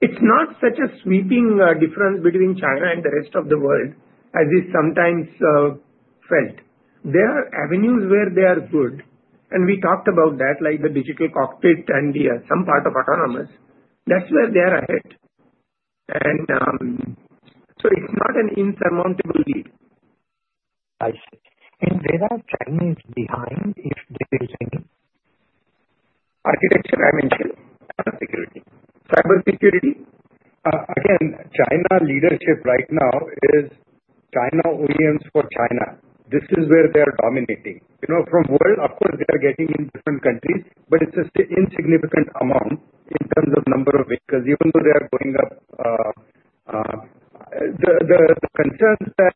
D: It is not such a sweeping difference between China and the rest of the world as is sometimes felt. There are avenues where they are good. We talked about that, like the digital cockpit and some part of autonomous. That is where they are ahead. It is not an insurmountable lead.
Q: I see. Where are Chinese behind, if there is any? Architecture, I mentioned cybersecurity.
K: Cybersecurity. Again, China leadership right now is China OEMs for China. This is where they are dominating. From world, of course, they are getting in different countries, but it is just an insignificant amount in terms of number of vehicles, even though they are going up. The concerns that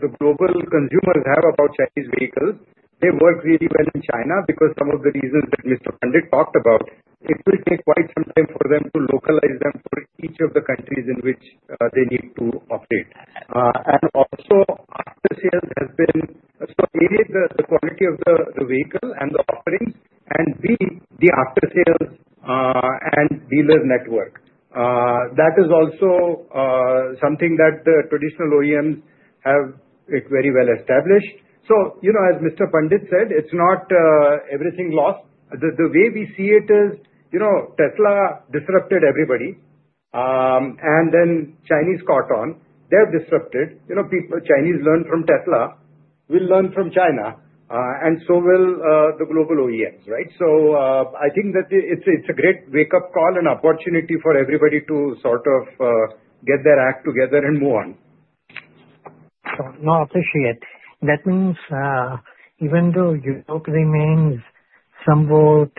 K: the global consumers have about Chinese vehicles, they work really well in China because some of the reasons that Mr. Pandit talked about, it will take quite some time for them to localize them for each of the countries in which they need to operate. Also, after-sales has been, so A, the quality of the vehicle and the offerings, and B, the after-sales and dealer network. That is also something that the traditional OEMs have very well established. As Mr. Pandit said, it's not everything lost. The way we see it is Tesla disrupted everybody, and then Chinese caught on. They're disrupted. Chinese learned from Tesla, will learn from China, and so will the global OEMs, right? I think that it's a great wake-up call and opportunity for everybody to sort of get their act together and move on.
Q: No, I appreciate it. That means even though Europe remains somewhat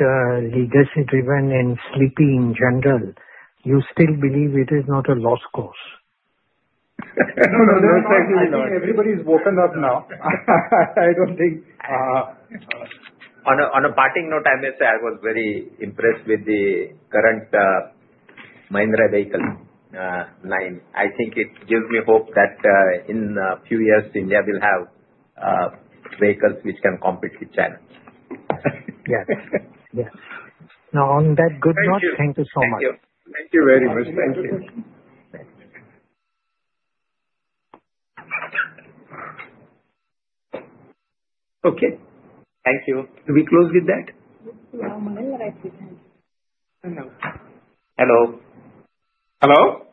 Q: leaders-driven and sleepy in general, you still believe it is not a lost cause.
D: No, no, no. I think everybody's woken up now. I don't think.
F: On a parting note, I must say I was very impressed with the current Mahindra vehicle line. I think it gives me hope that in a few years, India will have vehicles which can compete with China. Yes. Yes. Now, on that good note, thank you so much.
D: Thank you. Thank you very much. Thank you.
F: Okay.
D: Thank you.
F: Do we close with that? Hello. Hello.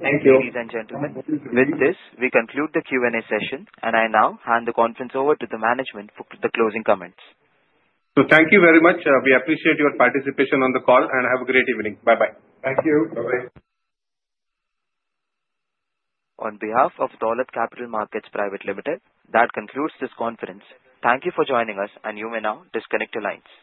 A: Thank you. Ladies and gentlemen, with this, we conclude the Q&A session, and I now hand the conference over to the management for the closing comments.
C: Thank you very much. We appreciate your participation on the call, and have a great evening. Bye-bye.
F: Thank you.
D: Bye-bye.
A: On behalf of Dolat Capital Markets Private Limited, that concludes this conference. Thank you for joining us, and you may now disconnect your lines.